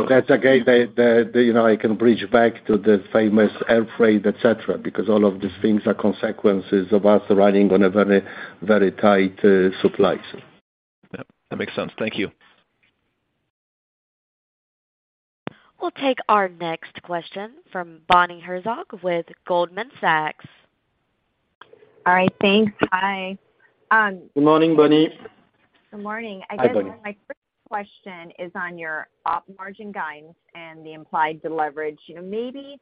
the, you know, I can bridge back to the famous air freight, et cetera, because all of these things are consequences of us running on a very, very tight supplies. Yep, that makes sense. Thank you. We'll take our next question from Bonnie Herzog with Goldman Sachs. All right. Thanks. Hi. Good morning, Bonnie. Good morning. Hi, Bonnie. I guess my first question is on your Op margin guidance and the implied deleverage. You know, maybe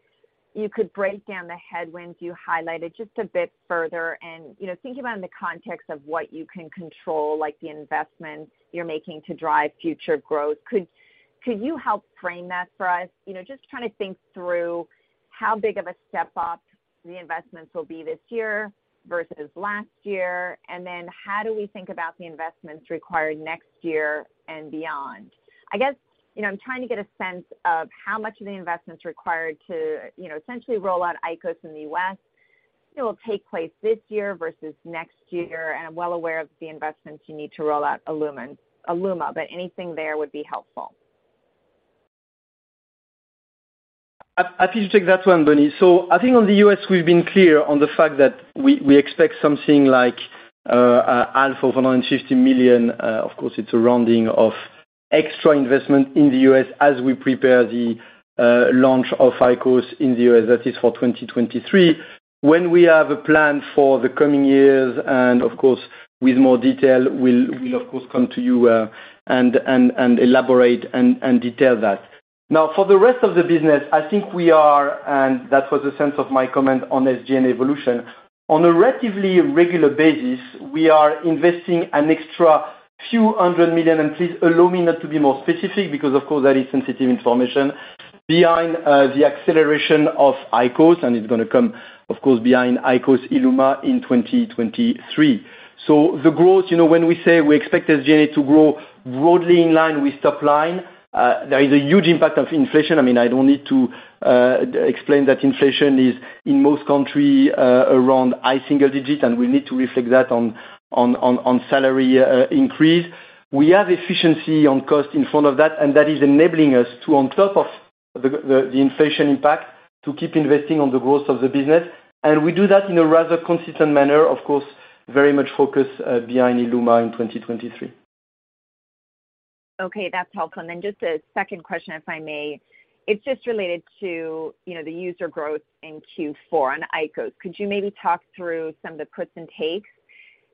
you could break down the headwinds you highlighted just a bit further and, you know, thinking about in the context of what you can control, like the investments you're making to drive future growth. Could you help frame that for us? You know, just trying to think through how big of a step-up the investments will be this year versus last year. How do we think about the investments required next year and beyond? I guess, you know, I'm trying to get a sense of how much of the investment's required to, you know, essentially roll out IQOS in the U.S., you know, will take place this year versus next year. I'm well aware of the investments you need to roll out ILUMA, but anything there would be helpful. I'l take that one, Bonnie. I think on the U.S., we've been clear on the fact that we expect something like half of $950 million, of course it's a rounding, of extra investment in the U.S. as we prepare the launch of IQOS in the U.S. That is for 2023. When we have a plan for the coming years and, of course, with more detail, we'll of course come to you and elaborate and detail that. For the rest of the business, I think we are, and that was the sense of my comment on SG&A evolution. On a relatively regular basis, we are investing an extra $ few hundred million, and please allow me not to be more specific because, of course, that is sensitive information, behind the acceleration of IQOS, and it's gonna come, of course, behind IQOS ILUMA in 2023. The growth, you know, when we say we expect SG&A to grow broadly in line with top line, there is a huge impact of inflation. I mean, I don't need to explain that inflation is, in most country, around high single digit, and we need to reflect that on salary increase. We have efficiency on cost in front of that, and that is enabling us to, on top of the inflation impact, to keep investing on the growth of the business. We do that in a rather consistent manner, of course, very much focused, behind ILUMA in 2023. Okay, that's helpful. Just a second question, if I may. It's just related to, you know, the user growth in Q4 on IQOS. Could you maybe talk through some of the puts and takes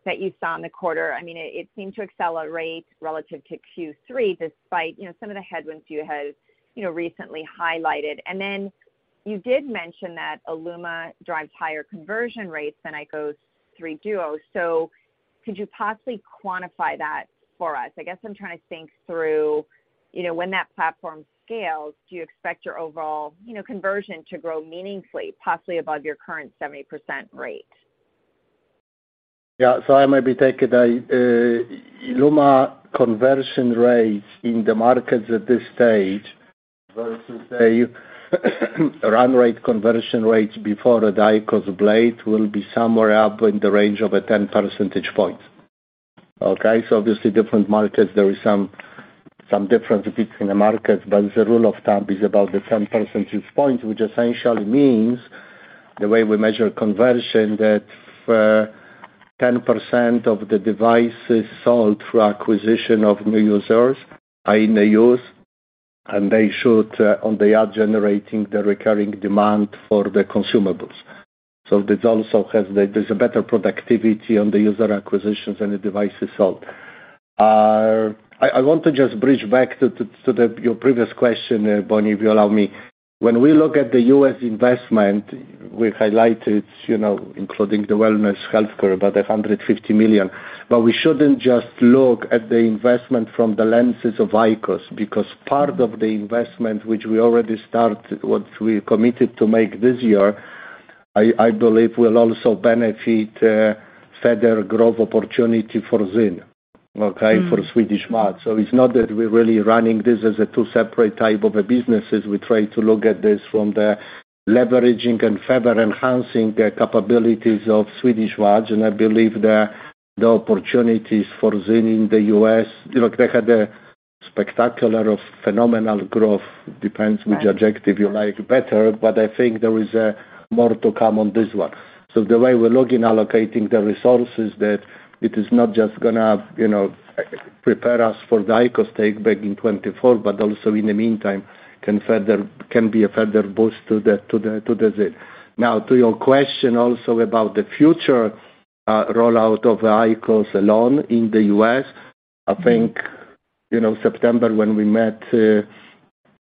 that you saw in the quarter? I mean, it seemed to accelerate relative to Q3 despite, you know, some of the headwinds you had, you know, recently highlighted. You did mention that ILUMA drives higher conversion rates than IQOS 3 DUO. Could you possibly quantify that for us? I guess I'm trying to think through, you know, when that platform scales, do you expect your overall, you know, conversion to grow meaningfully, possibly above your current 70% rate? Yeah. I maybe take it. ILUMA conversion rates in the markets at this stage versus a run rate conversion rates before the IQOS Blade will be somewhere up in the range of 10 percentage points. Okay? Obviously different markets, there is some difference between the markets, but the rule of thumb is about the 10 percentage points, which essentially means. The way we measure conversion that 10% of the devices sold through acquisition of new users are in the use and they should on the ad generating the recurring demand for the consumables. This also has a better productivity on the user acquisitions and the devices sold. I want to just bridge back to your previous question, Bonnie, if you allow me. We look at the U.S. investment, we highlighted, you know, including the wellness healthcare, about $150 million. We shouldn't just look at the investment from the lenses of IQOS, because part of the investment which we already start, what we committed to make this year, I believe will also benefit further growth opportunity for ZYN, okay, for Swedish Match. It's not that we're really running this as a two separate type of a businesses. We try to look at this from the leveraging and further enhancing the capabilities of Swedish Match, and I believe the opportunities for ZYN in the U.S., you know, they had a spectacular of phenomenal growth. Depends which adjective you like better, but I think there is more to come on this one. The way we're looking allocating the resources that it is not just gonna, you know, prepare us for the IQOS takeback in 2024, but also in the meantime can be a further boost to the ZYN. To your question also about the future rollout of IQOS alone in the U.S. I think, you know, September when we met,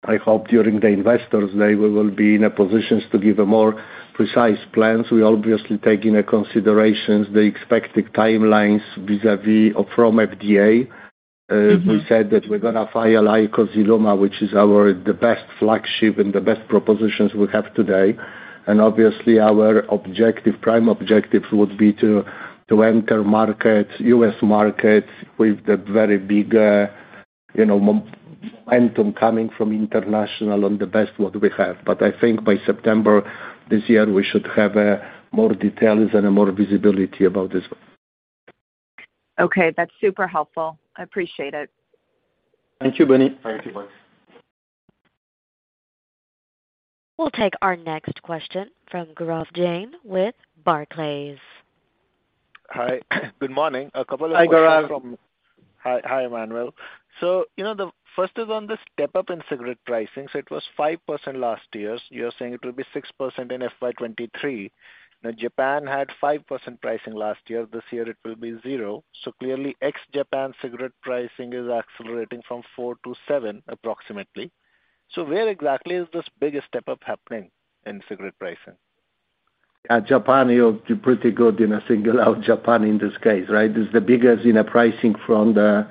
I hope during the investors day, we will be in a position to give a more precise plans. We obviously take into considerations the expected timelines vis-à-vis from FDA. Mm-hmm. We said that we're gonna file IQOS ILUMA, which is the best flagship and the best propositions we have today. Obviously our objective, prime objective would be to enter markets, U.S. markets with the very big, you know, momentum coming from international on the best what we have. I think by September this year, we should have more details and more visibility about this one. Okay, that's super helpful. I appreciate it. Thank you, Bonnie. Thank you, Bonnie. We'll take our next question from Gaurav Jain with Barclays. Hi. Good morning. A couple of questions. Hi, Gaurav. Hi, hi, Emmanuel. You know, the first is on the step-up in cigarette pricing. It was 5% last year. You are saying it will be 6% in FY 2023. Japan had 5% pricing last year. This year it will be 0. Clearly ex-Japan cigarette pricing is accelerating from 4%-7% approximately. Where exactly is this biggest step-up happening in cigarette pricing? Japan, you're pretty good in a single out Japan in this case, right? It's the biggest in a pricing from the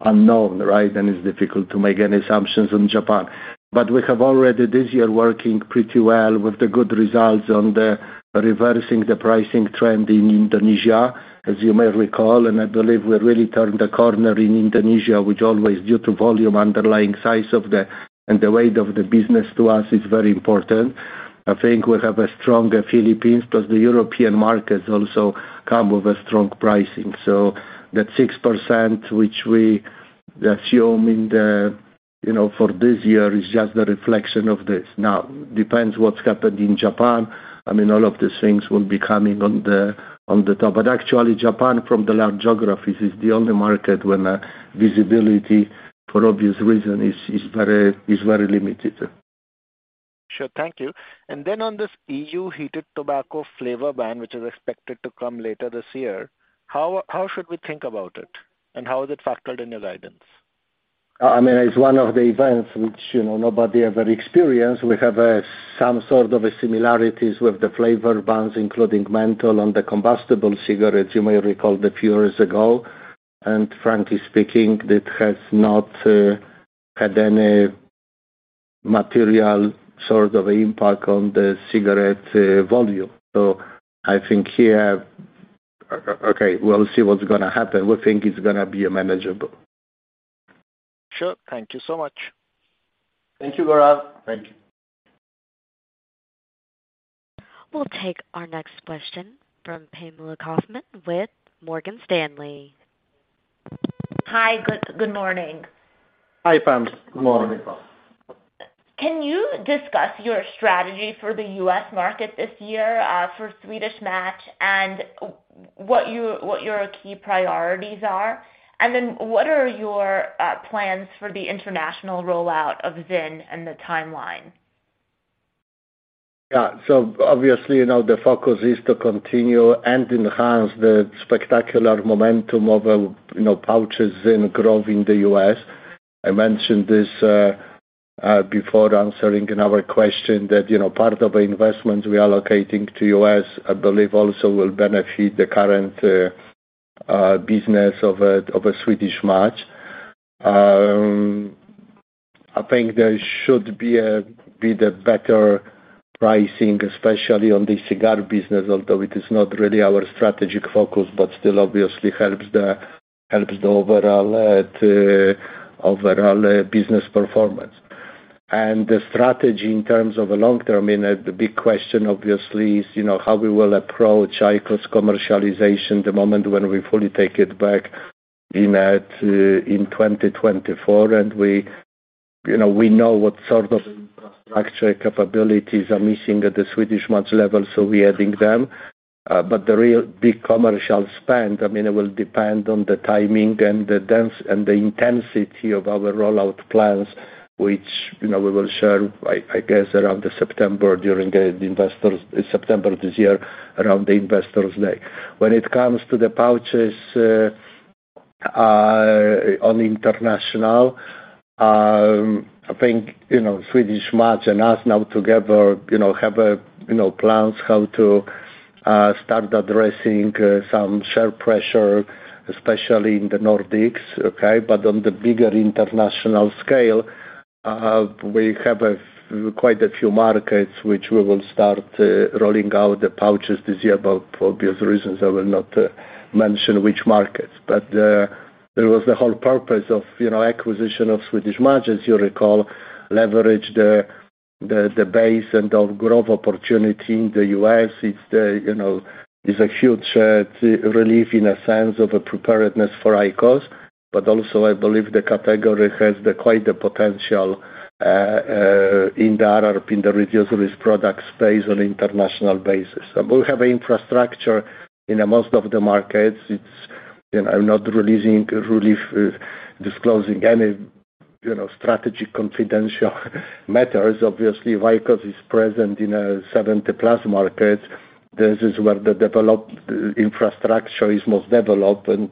unknown, right? It's difficult to make any assumptions on Japan. We have already this year working pretty well with the good results on the reversing the pricing trend in Indonesia, as you may recall. I believe we really turned the corner in Indonesia, which always due to volume underlying size of the, and the weight of the business to us is very important. I think we have a stronger Philippines, plus the European markets also come with a strong pricing. That 6% which we assume in the, you know, for this year is just a reflection of this. Depends what's happened in Japan. I mean, all of these things will be coming on the top. Actually, Japan from the large geographies is the only market when the visibility for obvious reasons is very limited. Sure. Thank you. On this EU heated tobacco flavor ban, which is expected to come later this year, how should we think about it, and how is it factored in your guidance? I mean, it's one of the events which, you know, nobody ever experienced. We have some sort of a similarities with the flavor bans, including menthol and the combustible cigarettes, you may recall, the few years ago. Frankly speaking, it has not had any material sort of impact on the cigarette volume. I think here, okay, we'll see what's gonna happen. We think it's gonna be manageable. Sure. Thank you so much. Thank you, Gaurav. Thank you. We'll take our next question from Pamela Kaufman with Morgan Stanley. Hi. Good morning. Hi, Pam. Good morning. Good morning, Pam. Can you discuss your strategy for the U.S. market this year, for Swedish Match and what your key priorities are? What are your plans for the international rollout of ZYN and the timeline? Yeah. Obviously, you know, the focus is to continue and enhance the spectacular momentum of, you know, pouches ZYN growth in the U.S. I mentioned this before answering another question that, you know, part of the investment we are allocating to U.S., I believe also will benefit the current business of Swedish Match. I think there should be better pricing, especially on the cigar business, although it is not really our strategic focus, but still obviously helps the overall business performance. The strategy in terms of the long-term, you know, the big question obviously is, you know, how we will approach IQOS commercialization the moment when we fully take it back in 2024. You know, we know what sort of infrastructure capabilities are missing at the Swedish Match level, so we're adding them. But the real big commercial spend, I mean, it will depend on the timing and the intensity of our rollout plans, which, you know, we will share, I guess, around September during the investors September this year around the investors day. When it comes to the pouches on international, I think, you know, Swedish Match and us now together, you know, have a, you know, plans how to start addressing some share pressure, especially in the Nordics, okay? On the bigger international scale, we have quite a few markets which we will start rolling out the pouches this year. For obvious reasons, I will not mention which markets. There was the whole purpose of, you know, acquisition of Swedish Match, as you recall, leverage the, the base and of growth opportunity in the US. It's the, you know, it's a huge relief in a sense of a preparedness for IQOS. Also I believe the category has the quite the potential in the RR, in the reduce-risk product space on international basis. We have infrastructure in most of the markets. It's, you know, I'm not releasing, really f- disclosing any, you know, strategy confidential matters. Obviously, IQOS is present in 70-plus markets. This is where the developed, infrastructure is most developed, and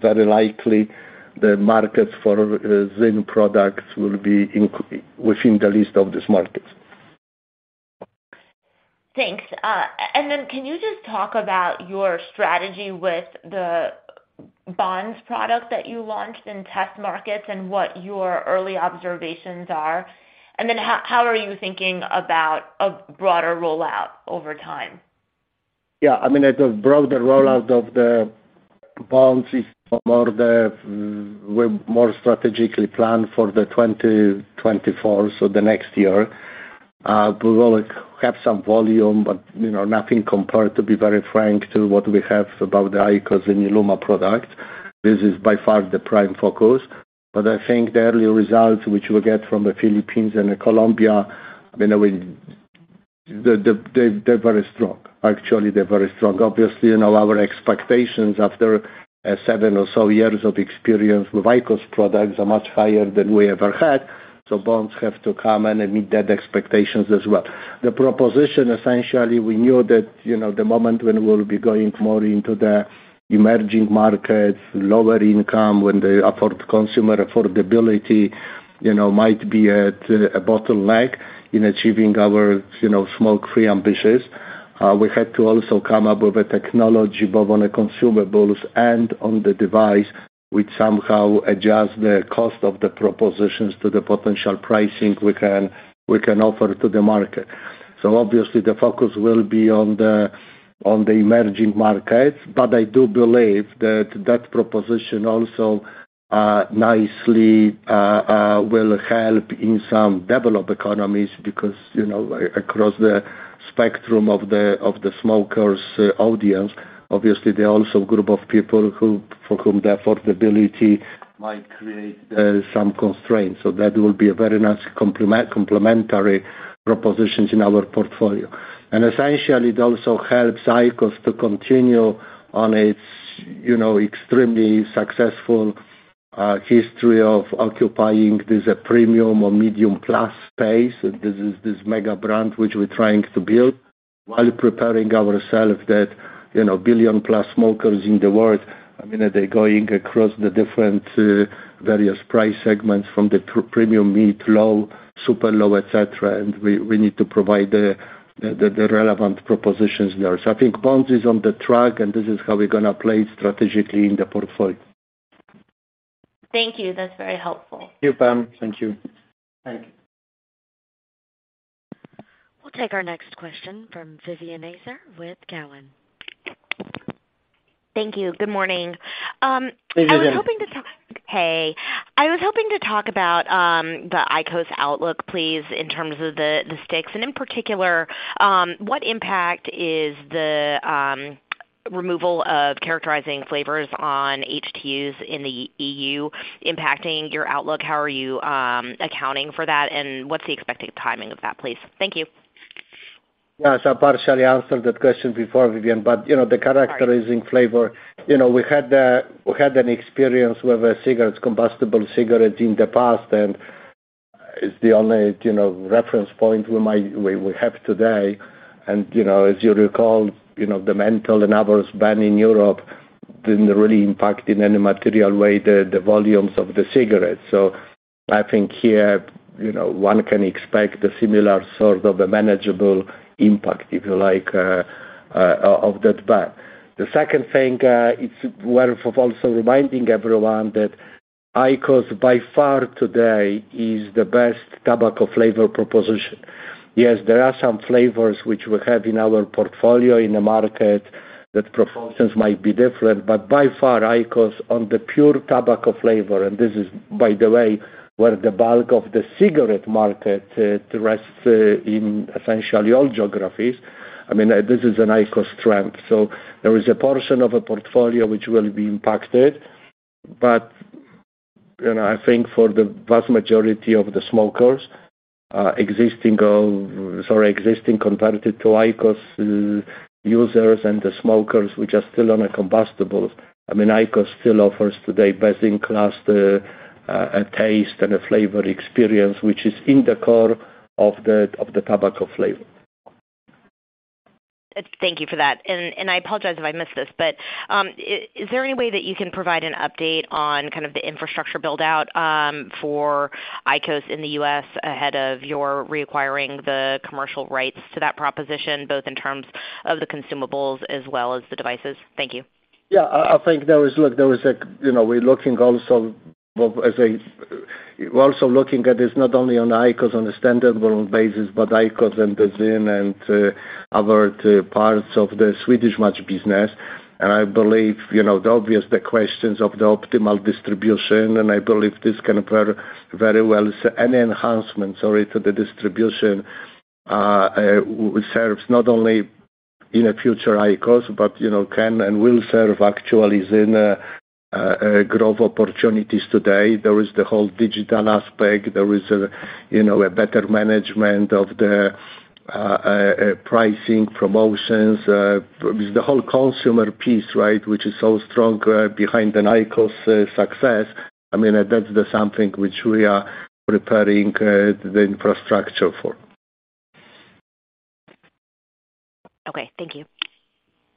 very likely the markets for ZYN products will be within the list of these markets. Thanks. Can you just talk about your strategy with the Bonds product that you launched in test markets and what your early observations are? How are you thinking about a broader rollout over time? I mean, the broader rollout of the Bonds is more strategically planned for 2024, so the next year. We will have some volume, but, you know, nothing compared, to be very frank, to what we have about the IQOS and ILUMA product. This is by far the prime focus. I think the early results which we'll get from the Philippines and Colombia, I mean, they're very strong. Actually, they're very strong. Obviously, you know, our expectations after 7 or so years of experience with IQOS products are much higher than we ever had, so Bonds have to come and meet that expectations as well. The proposition, essentially, we knew that, you know, the moment when we'll be going more into the emerging markets, lower income, when the consumer affordability, you know, might be at a bottleneck in achieving our, you know, smoke-free ambitions, we had to also come up with a technology both on the consumables and on the device which somehow adjust the cost of the propositions to the potential pricing we can offer to the market. Obviously the focus will be on the emerging markets, but I do believe that that proposition also, nicely, will help in some developed economies because, you know, across the spectrum of the smokers audience, obviously there are also a group of people for whom the affordability might create some constraints. That will be a very nice complementary propositions in our portfolio. Essentially, it also helps IQOS to continue on its, you know, extremely successful history of occupying this premium or medium-plus space. This is this mega brand which we're trying to build while preparing ourself that, you know, billion-plus smokers in the world, I mean, they're going across the different various price segments from the premium mid, low, super low, et cetera, and we need to provide the relevant propositions there. I think Bonds is on the track, and this is how we're gonna play strategically in the portfolio. Thank you. That's very helpful. Thank you, Pam. Thank you. Thank you. We'll take our next question from Vivien Azer with Cowen. Thank you. Good morning. Vivian. I was hoping to talk. Hey. I was hoping to talk about the IQOS outlook, please, in terms of the sticks, and in particular, what impact is the removal of characterizing flavors on HTUs in the EU impacting your outlook? How are you accounting for that, and what's the expected timing of that, please? Thank you. Yeah, I partially answered that question before, Vivien, but, you know, the characterizing flavor, you know, we had an experience with the cigarettes, combustible cigarettes in the past, and it's the only, you know, reference point we have today. You know, as you recall, you know, the menthol and others ban in Europe didn't really impact in any material way the volumes of the cigarettes. I think here, you know, one can expect the similar sort of manageable impact, if you like, of that ban. The second thing, it's worth also reminding everyone that IQOS by far today is the best tobacco flavor proposition. Yes, there are some flavors which we have in our portfolio in the market that proportions might be different, but by far, IQOS on the pure tobacco flavor, and this is by the way, where the bulk of the cigarette market, rests in essentially all geographies. This is an IQOS strength. There is a portion of a portfolio which will be impacted. You know, I think for the vast majority of the smokers, existing, sorry, existing converted to IQOS users and the smokers which are still on a combustible, I mean, IQOS still offers today best-in-class taste and a flavor experience, which is in the core of the tobacco flavor. Thank you for that. I apologize if I missed this, but, is there any way that you can provide an update on kind of the infrastructure build-out, for IQOS in the U.S. ahead of your reacquiring the commercial rights to that proposition, both in terms of the consumables as well as the devices? Thank you. I think there is, look, there is a, you know, we're looking also, well, we're also looking at this not only on IQOS on a stand-alone basis, but IQOS and the ZYN and other parts of the Swedish Match business. I believe, you know, the obvious questions of the optimal distribution, and I believe this can pair very well. Any enhancements already to the distribution serves not only in a future IQOS, but, you know, can and will serve actually ZYN growth opportunities today. There is the whole digital aspect. There is, you know, a better management of the pricing, promotions, the whole consumer piece, right, which is so strong behind an IQOS success. I mean, that's the something which we are preparing the infrastructure for. Okay, thank you.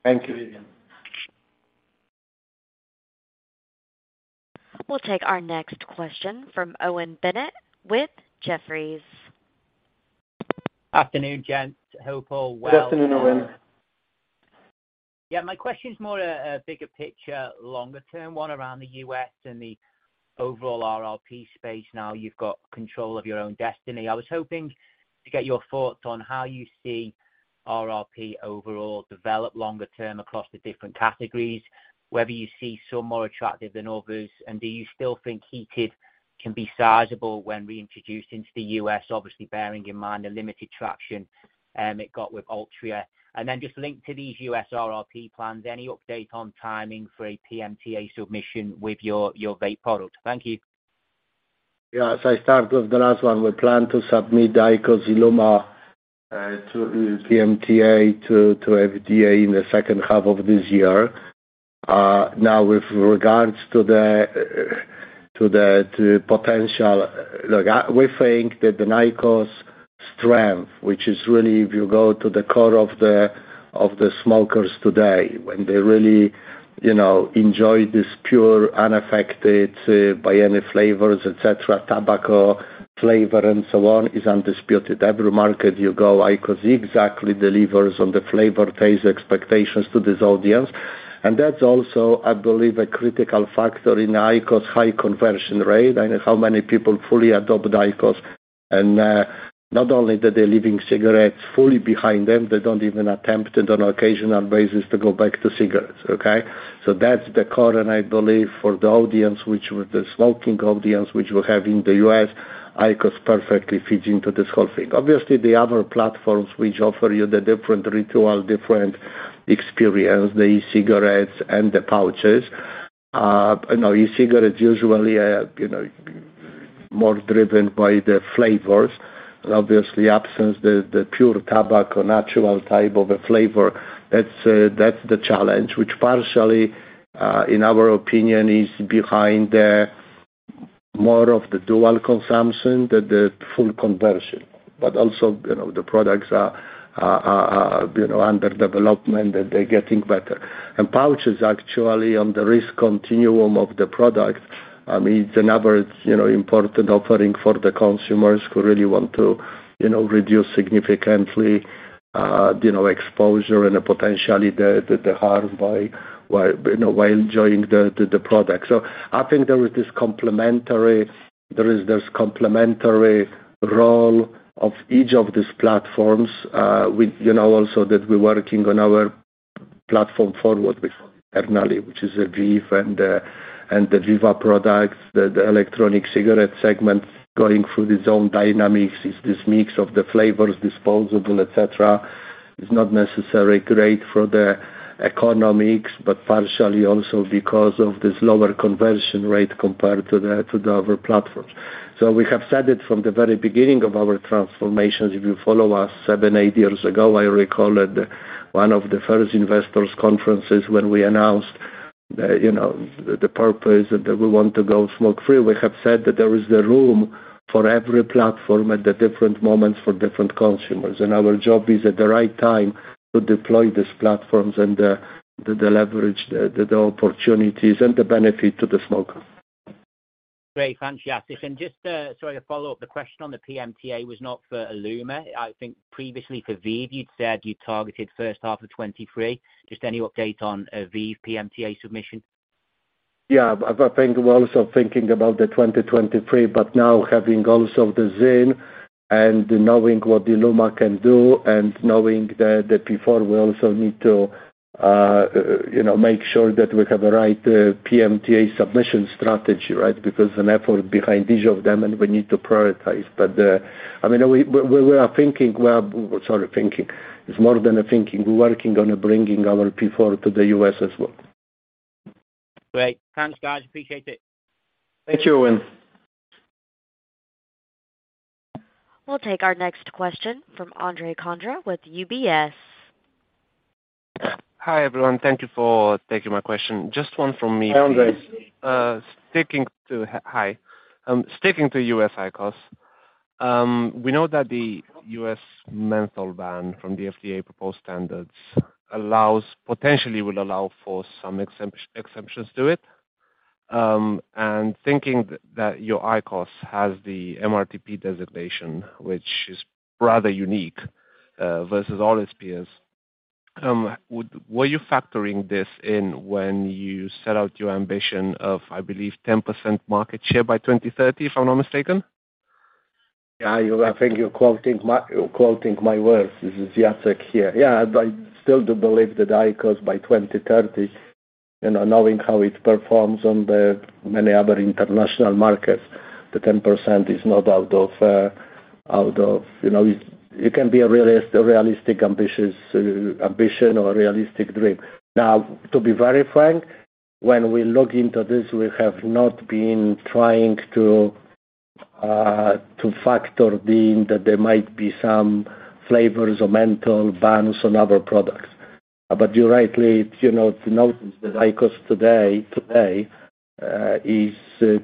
Thank you. We'll take our next question from Owen Bennett with Jefferies. Afternoon, gents. Hope all well. Afternoon, Owen. Yeah, my question is more a bigger picture, longer-term one around the US and the overall RRP space now you've got control of your own destiny. I was hoping to get your thoughts on how you see RRP overall develop longer term across the different categories, whether you see some more attractive than others, and do you still think heated can be sizable when reintroduced into the US, obviously bearing in mind the limited traction it got with Altria? Then just linked to these US RRP plans, any update on timing for a PMTA submission with your vape product? Thank you. Yeah. I start with the last one. We plan to submit IQOS ILUMA to PMTA to FDA in the second half of this year. Now with regards to the... Look, we think that the IQOS strength, which is really if you go to the core of the smokers today, when they really, you know, enjoy this pure, unaffected by any flavors, et cetera, tobacco flavor and so on, is undisputed. Every market you go, IQOS exactly delivers on the flavor taste expectations to this audience. That's also, I believe, a critical factor in IQOS high conversion rate and how many people fully adopt IQOS. Not only that they're leaving cigarettes fully behind them, they don't even attempt it on occasional basis to go back to cigarettes, okay? That's the core, and I believe for the audience, which with the smoking audience, which we have in the U.S., IQOS perfectly fits into this whole thing. Obviously, the other platforms which offer you the different ritual, different experience, the e-cigarettes and the pouches. You know, e-cigarettes usually are, you know, more driven by the flavors. Obviously, absence the pure tobacco, natural type of a flavor, that's the challenge, which partially, in our opinion, is behind the more of the dual consumption than the full conversion. Also, you know, the products are, you know, under development, that they're getting better. Pouches actually on the risk continuum of the product, I mean, it's another, you know, important offering for the consumers who really want to, you know, reduce significantly, you know, exposure and potentially the harm by, while, you know, while enjoying the product. I think there is this complementary role of each of these platforms. We, you know also that we're working on our platform forward with Ernali, which is a VEEV and the VEEV products, the electronic cigarette segment going through its own dynamics. It's this mix of the flavors, disposable, et cetera. It's not necessarily great for the economics, but partially also because of this lower conversion rate compared to the other platforms. We have said it from the very beginning of our transformations. If you follow us seven, eight years ago, I recall at one of the first investors conferences when we announced the, you know, the purpose that we want to go smoke-free, we have said that there is the room for every platform at the different moments for different consumers. Our job is at the right time to deploy these platforms and the leverage, the opportunities and the benefit to the smoker. Great. Thanks, Jacek. Just, sorry, to follow up, the question on the PMTA was not for ILUMA. I think previously for VEEV, you'd said you targeted first half of 2023. Just any update on a VEEV PMTA submission? Yeah. I think we're also thinking about the 2023, now having also the ZYN and knowing what ILUMA can do and knowing the P4, we also need to, you know, make sure that we have the right PMTA submission strategy, right? An effort behind each of them, and we need to prioritize. I mean, we are thinking, well. It's more than a thinking. We're working on bringing our P4 to the U.S. as well. Great. Thanks, guys. Appreciate it. Thank you, Owen. We'll take our next question from Andrei Condrea with UBS. Hi, everyone. Thank you for taking my question. Just one from me, please. Hi, Andrei. Hi. Sticking to U.S. IQOS, we know that the U.S. menthol ban from the FDA proposed standards allows, potentially will allow for some exceptions to it. Thinking that your IQOS has the MRTP designation, which is rather unique versus all its peers, were you factoring this in when you set out your ambition of, I believe, 10% market share by 2030, if I'm not mistaken? Yeah, I think you're quoting my words. This is Jacek here. Yeah, I still do believe that IQOS by 2030, and knowing how it performs on the many other international markets, the 10% is not out of, you know... It can be a realistic ambitious ambition or a realistic dream. Now, to be very frank, when we look into this, we have not been trying to factor in that there might be some flavors or menthol bans on other products. You rightly, you know, noticed that IQOS today is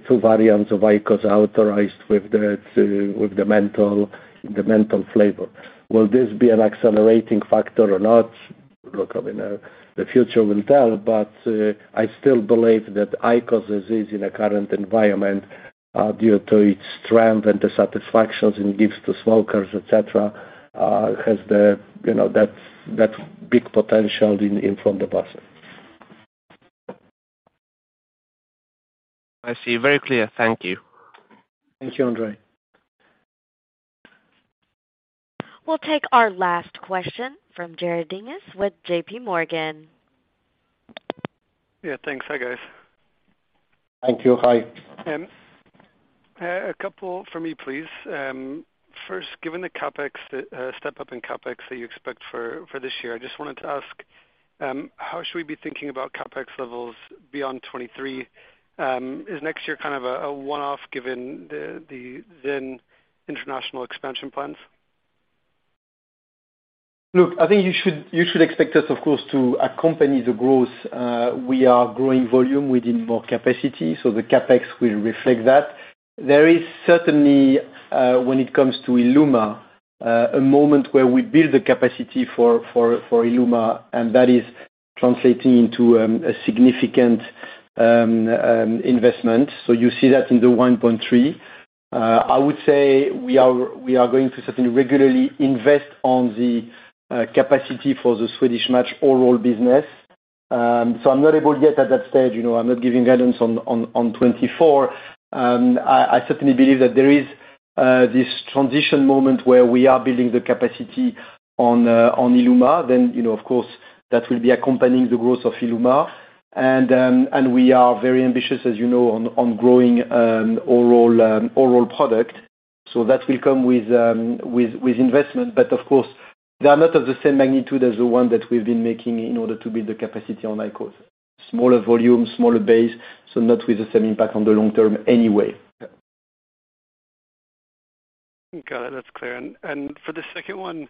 two variants of IQOS authorized with the menthol, the menthol flavor. Will this be an accelerating factor or not? I mean, the future will tell, but, I still believe that IQOS as is in a current environment, due to its strength and the satisfactions it gives to smokers, et cetera, has the, you know, that big potential in from the process. I see. Very clear. Thank you. Thank you, Andrei. We'll take our last question from Jared Dinges with JPMorgan. Yeah, thanks. Hi, guys. Thank you. Hi. A couple from me, please. First, given the CapEx step-up in CapEx that you expect for this year, I just wanted to ask, how should we be thinking about CapEx levels beyond 2023? Is next year kind of a one-off given the ZYN international expansion plans? I think you should expect us, of course, to accompany the growth. We are growing volume, we need more capacity, the CapEx will reflect that. There is certainly, when it comes to ILUMA, a moment where we build the capacity for ILUMA, and that is translating into a significant investment. You see that in the $1.3. I would say we are going to certainly regularly invest on the capacity for the Swedish Match oral business. I'm not able yet at that stage, you know, I'm not giving guidance on 2024. I certainly believe that there is this transition moment where we are building the capacity on ILUMA. You know, of course, that will be accompanying the growth of ILUMA. We are very ambitious, as you know, on growing oral product. That will come with investment. Of course, they are not of the same magnitude as the one that we've been making in order to build the capacity on IQOS. Smaller volume, smaller base, so not with the same impact on the long term anyway. Got it. That's clear. For the second one,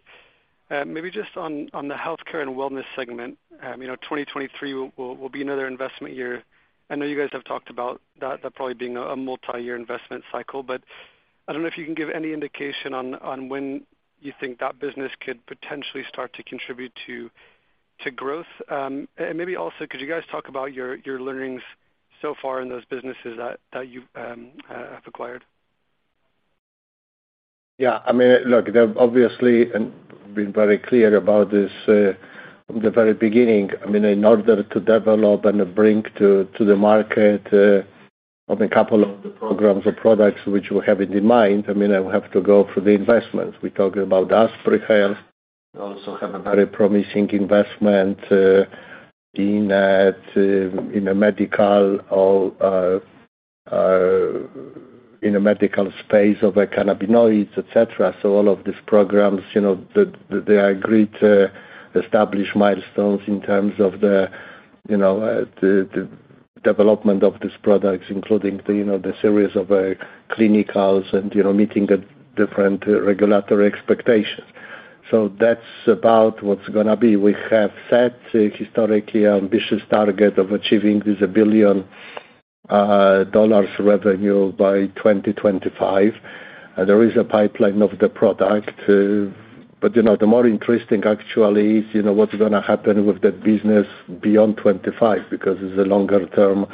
maybe just on the healthcare and wellness segment, you know, 2023 will be another investment year. I know you guys have talked about that probably being a multi-year investment cycle. I don't know if you can give any indication on when you think that business could potentially start to contribute to growth. Maybe also could you guys talk about your learnings so far in those businesses that you've have acquired? I mean, look, they've obviously and been very clear about this from the very beginning. I mean, in order to develop and bring to the market on a couple of the programs or products which we have in mind, I mean, I have to go for the investment. We talked about Asprey Health. We also have a very promising investment in a medical or in a medical space of cannabinoids, et cetera. All of these programs, you know, the agreed established milestones in terms of the, you know, the development of these products, including the, you know, the series of clinicals and, you know, meeting the different regulatory expectations. That's about what's gonna be. We have set a historically ambitious target of achieving this $1 billion revenue by 2025. There is a pipeline of the product, but, you know, the more interesting actually is, you know, what's gonna happen with the business beyond 25 because it's a longer term,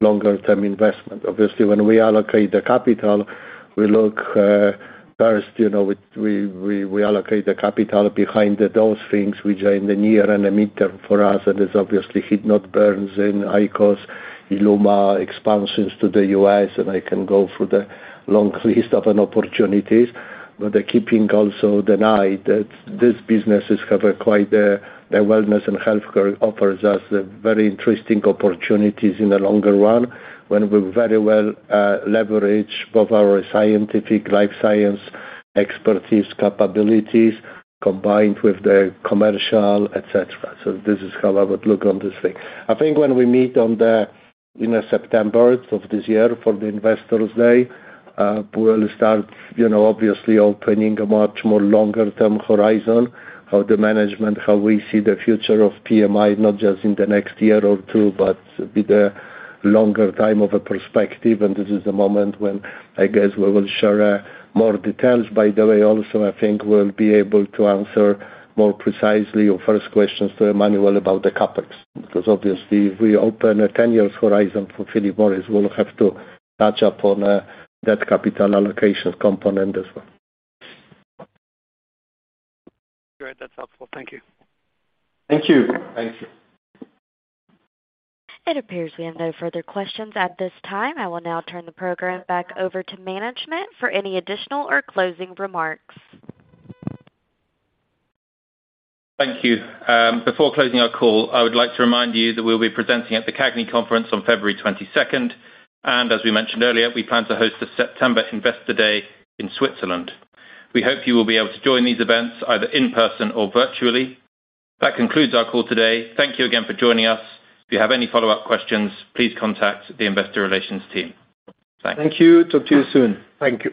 longer term investment. Obviously, when we allocate the capital, we look, first, you know, we allocate the capital behind those things which are in the near and the midterm for us, and it's obviously heat-not-burns and IQOS ILUMA expansions to the U.S., and I can go through the long list of an opportunities, but they're keeping also the eye that this business is covered. The wellness and healthcare offers us very interesting opportunities in the longer run, when we very well leverage both our scientific life science expertise capabilities combined with the commercial, et cetera. So this is how I would look on this thing. I think when we meet on the, you know, September of this year for the Investors Day, we'll start, you know, obviously opening a much more longer-term horizon how the management, how we see the future of PMI, not just in the next year or 2, but with a longer time of a perspective. This is the moment when I guess we will share, more details. By the way, also, I think we'll be able to answer more precisely your first questions to Emmanuel about the CapEx. Because obviously, if we open a 10-year horizon for Philip Morris, we'll have to touch up on, that capital allocation component as well. Great. That's helpful. Thank you. Thank you. Thanks. It appears we have no further questions at this time. I will now turn the program back over to management for any additional or closing remarks. Thank you. Before closing our call, I would like to remind you that we'll be presenting at the CAGNY Conference on February 22nd. As we mentioned earlier, we plan to host the September Investor Day in Switzerland. We hope you will be able to join these events either in person or virtually. That concludes our call today. Thank you again for joining us. If you have any follow-up questions, please contact the investor relations team. Thanks. Thank you. Talk to you soon. Thank you.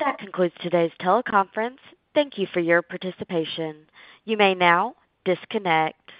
That concludes today's teleconference. Thank you for your participation. You may now disconnect.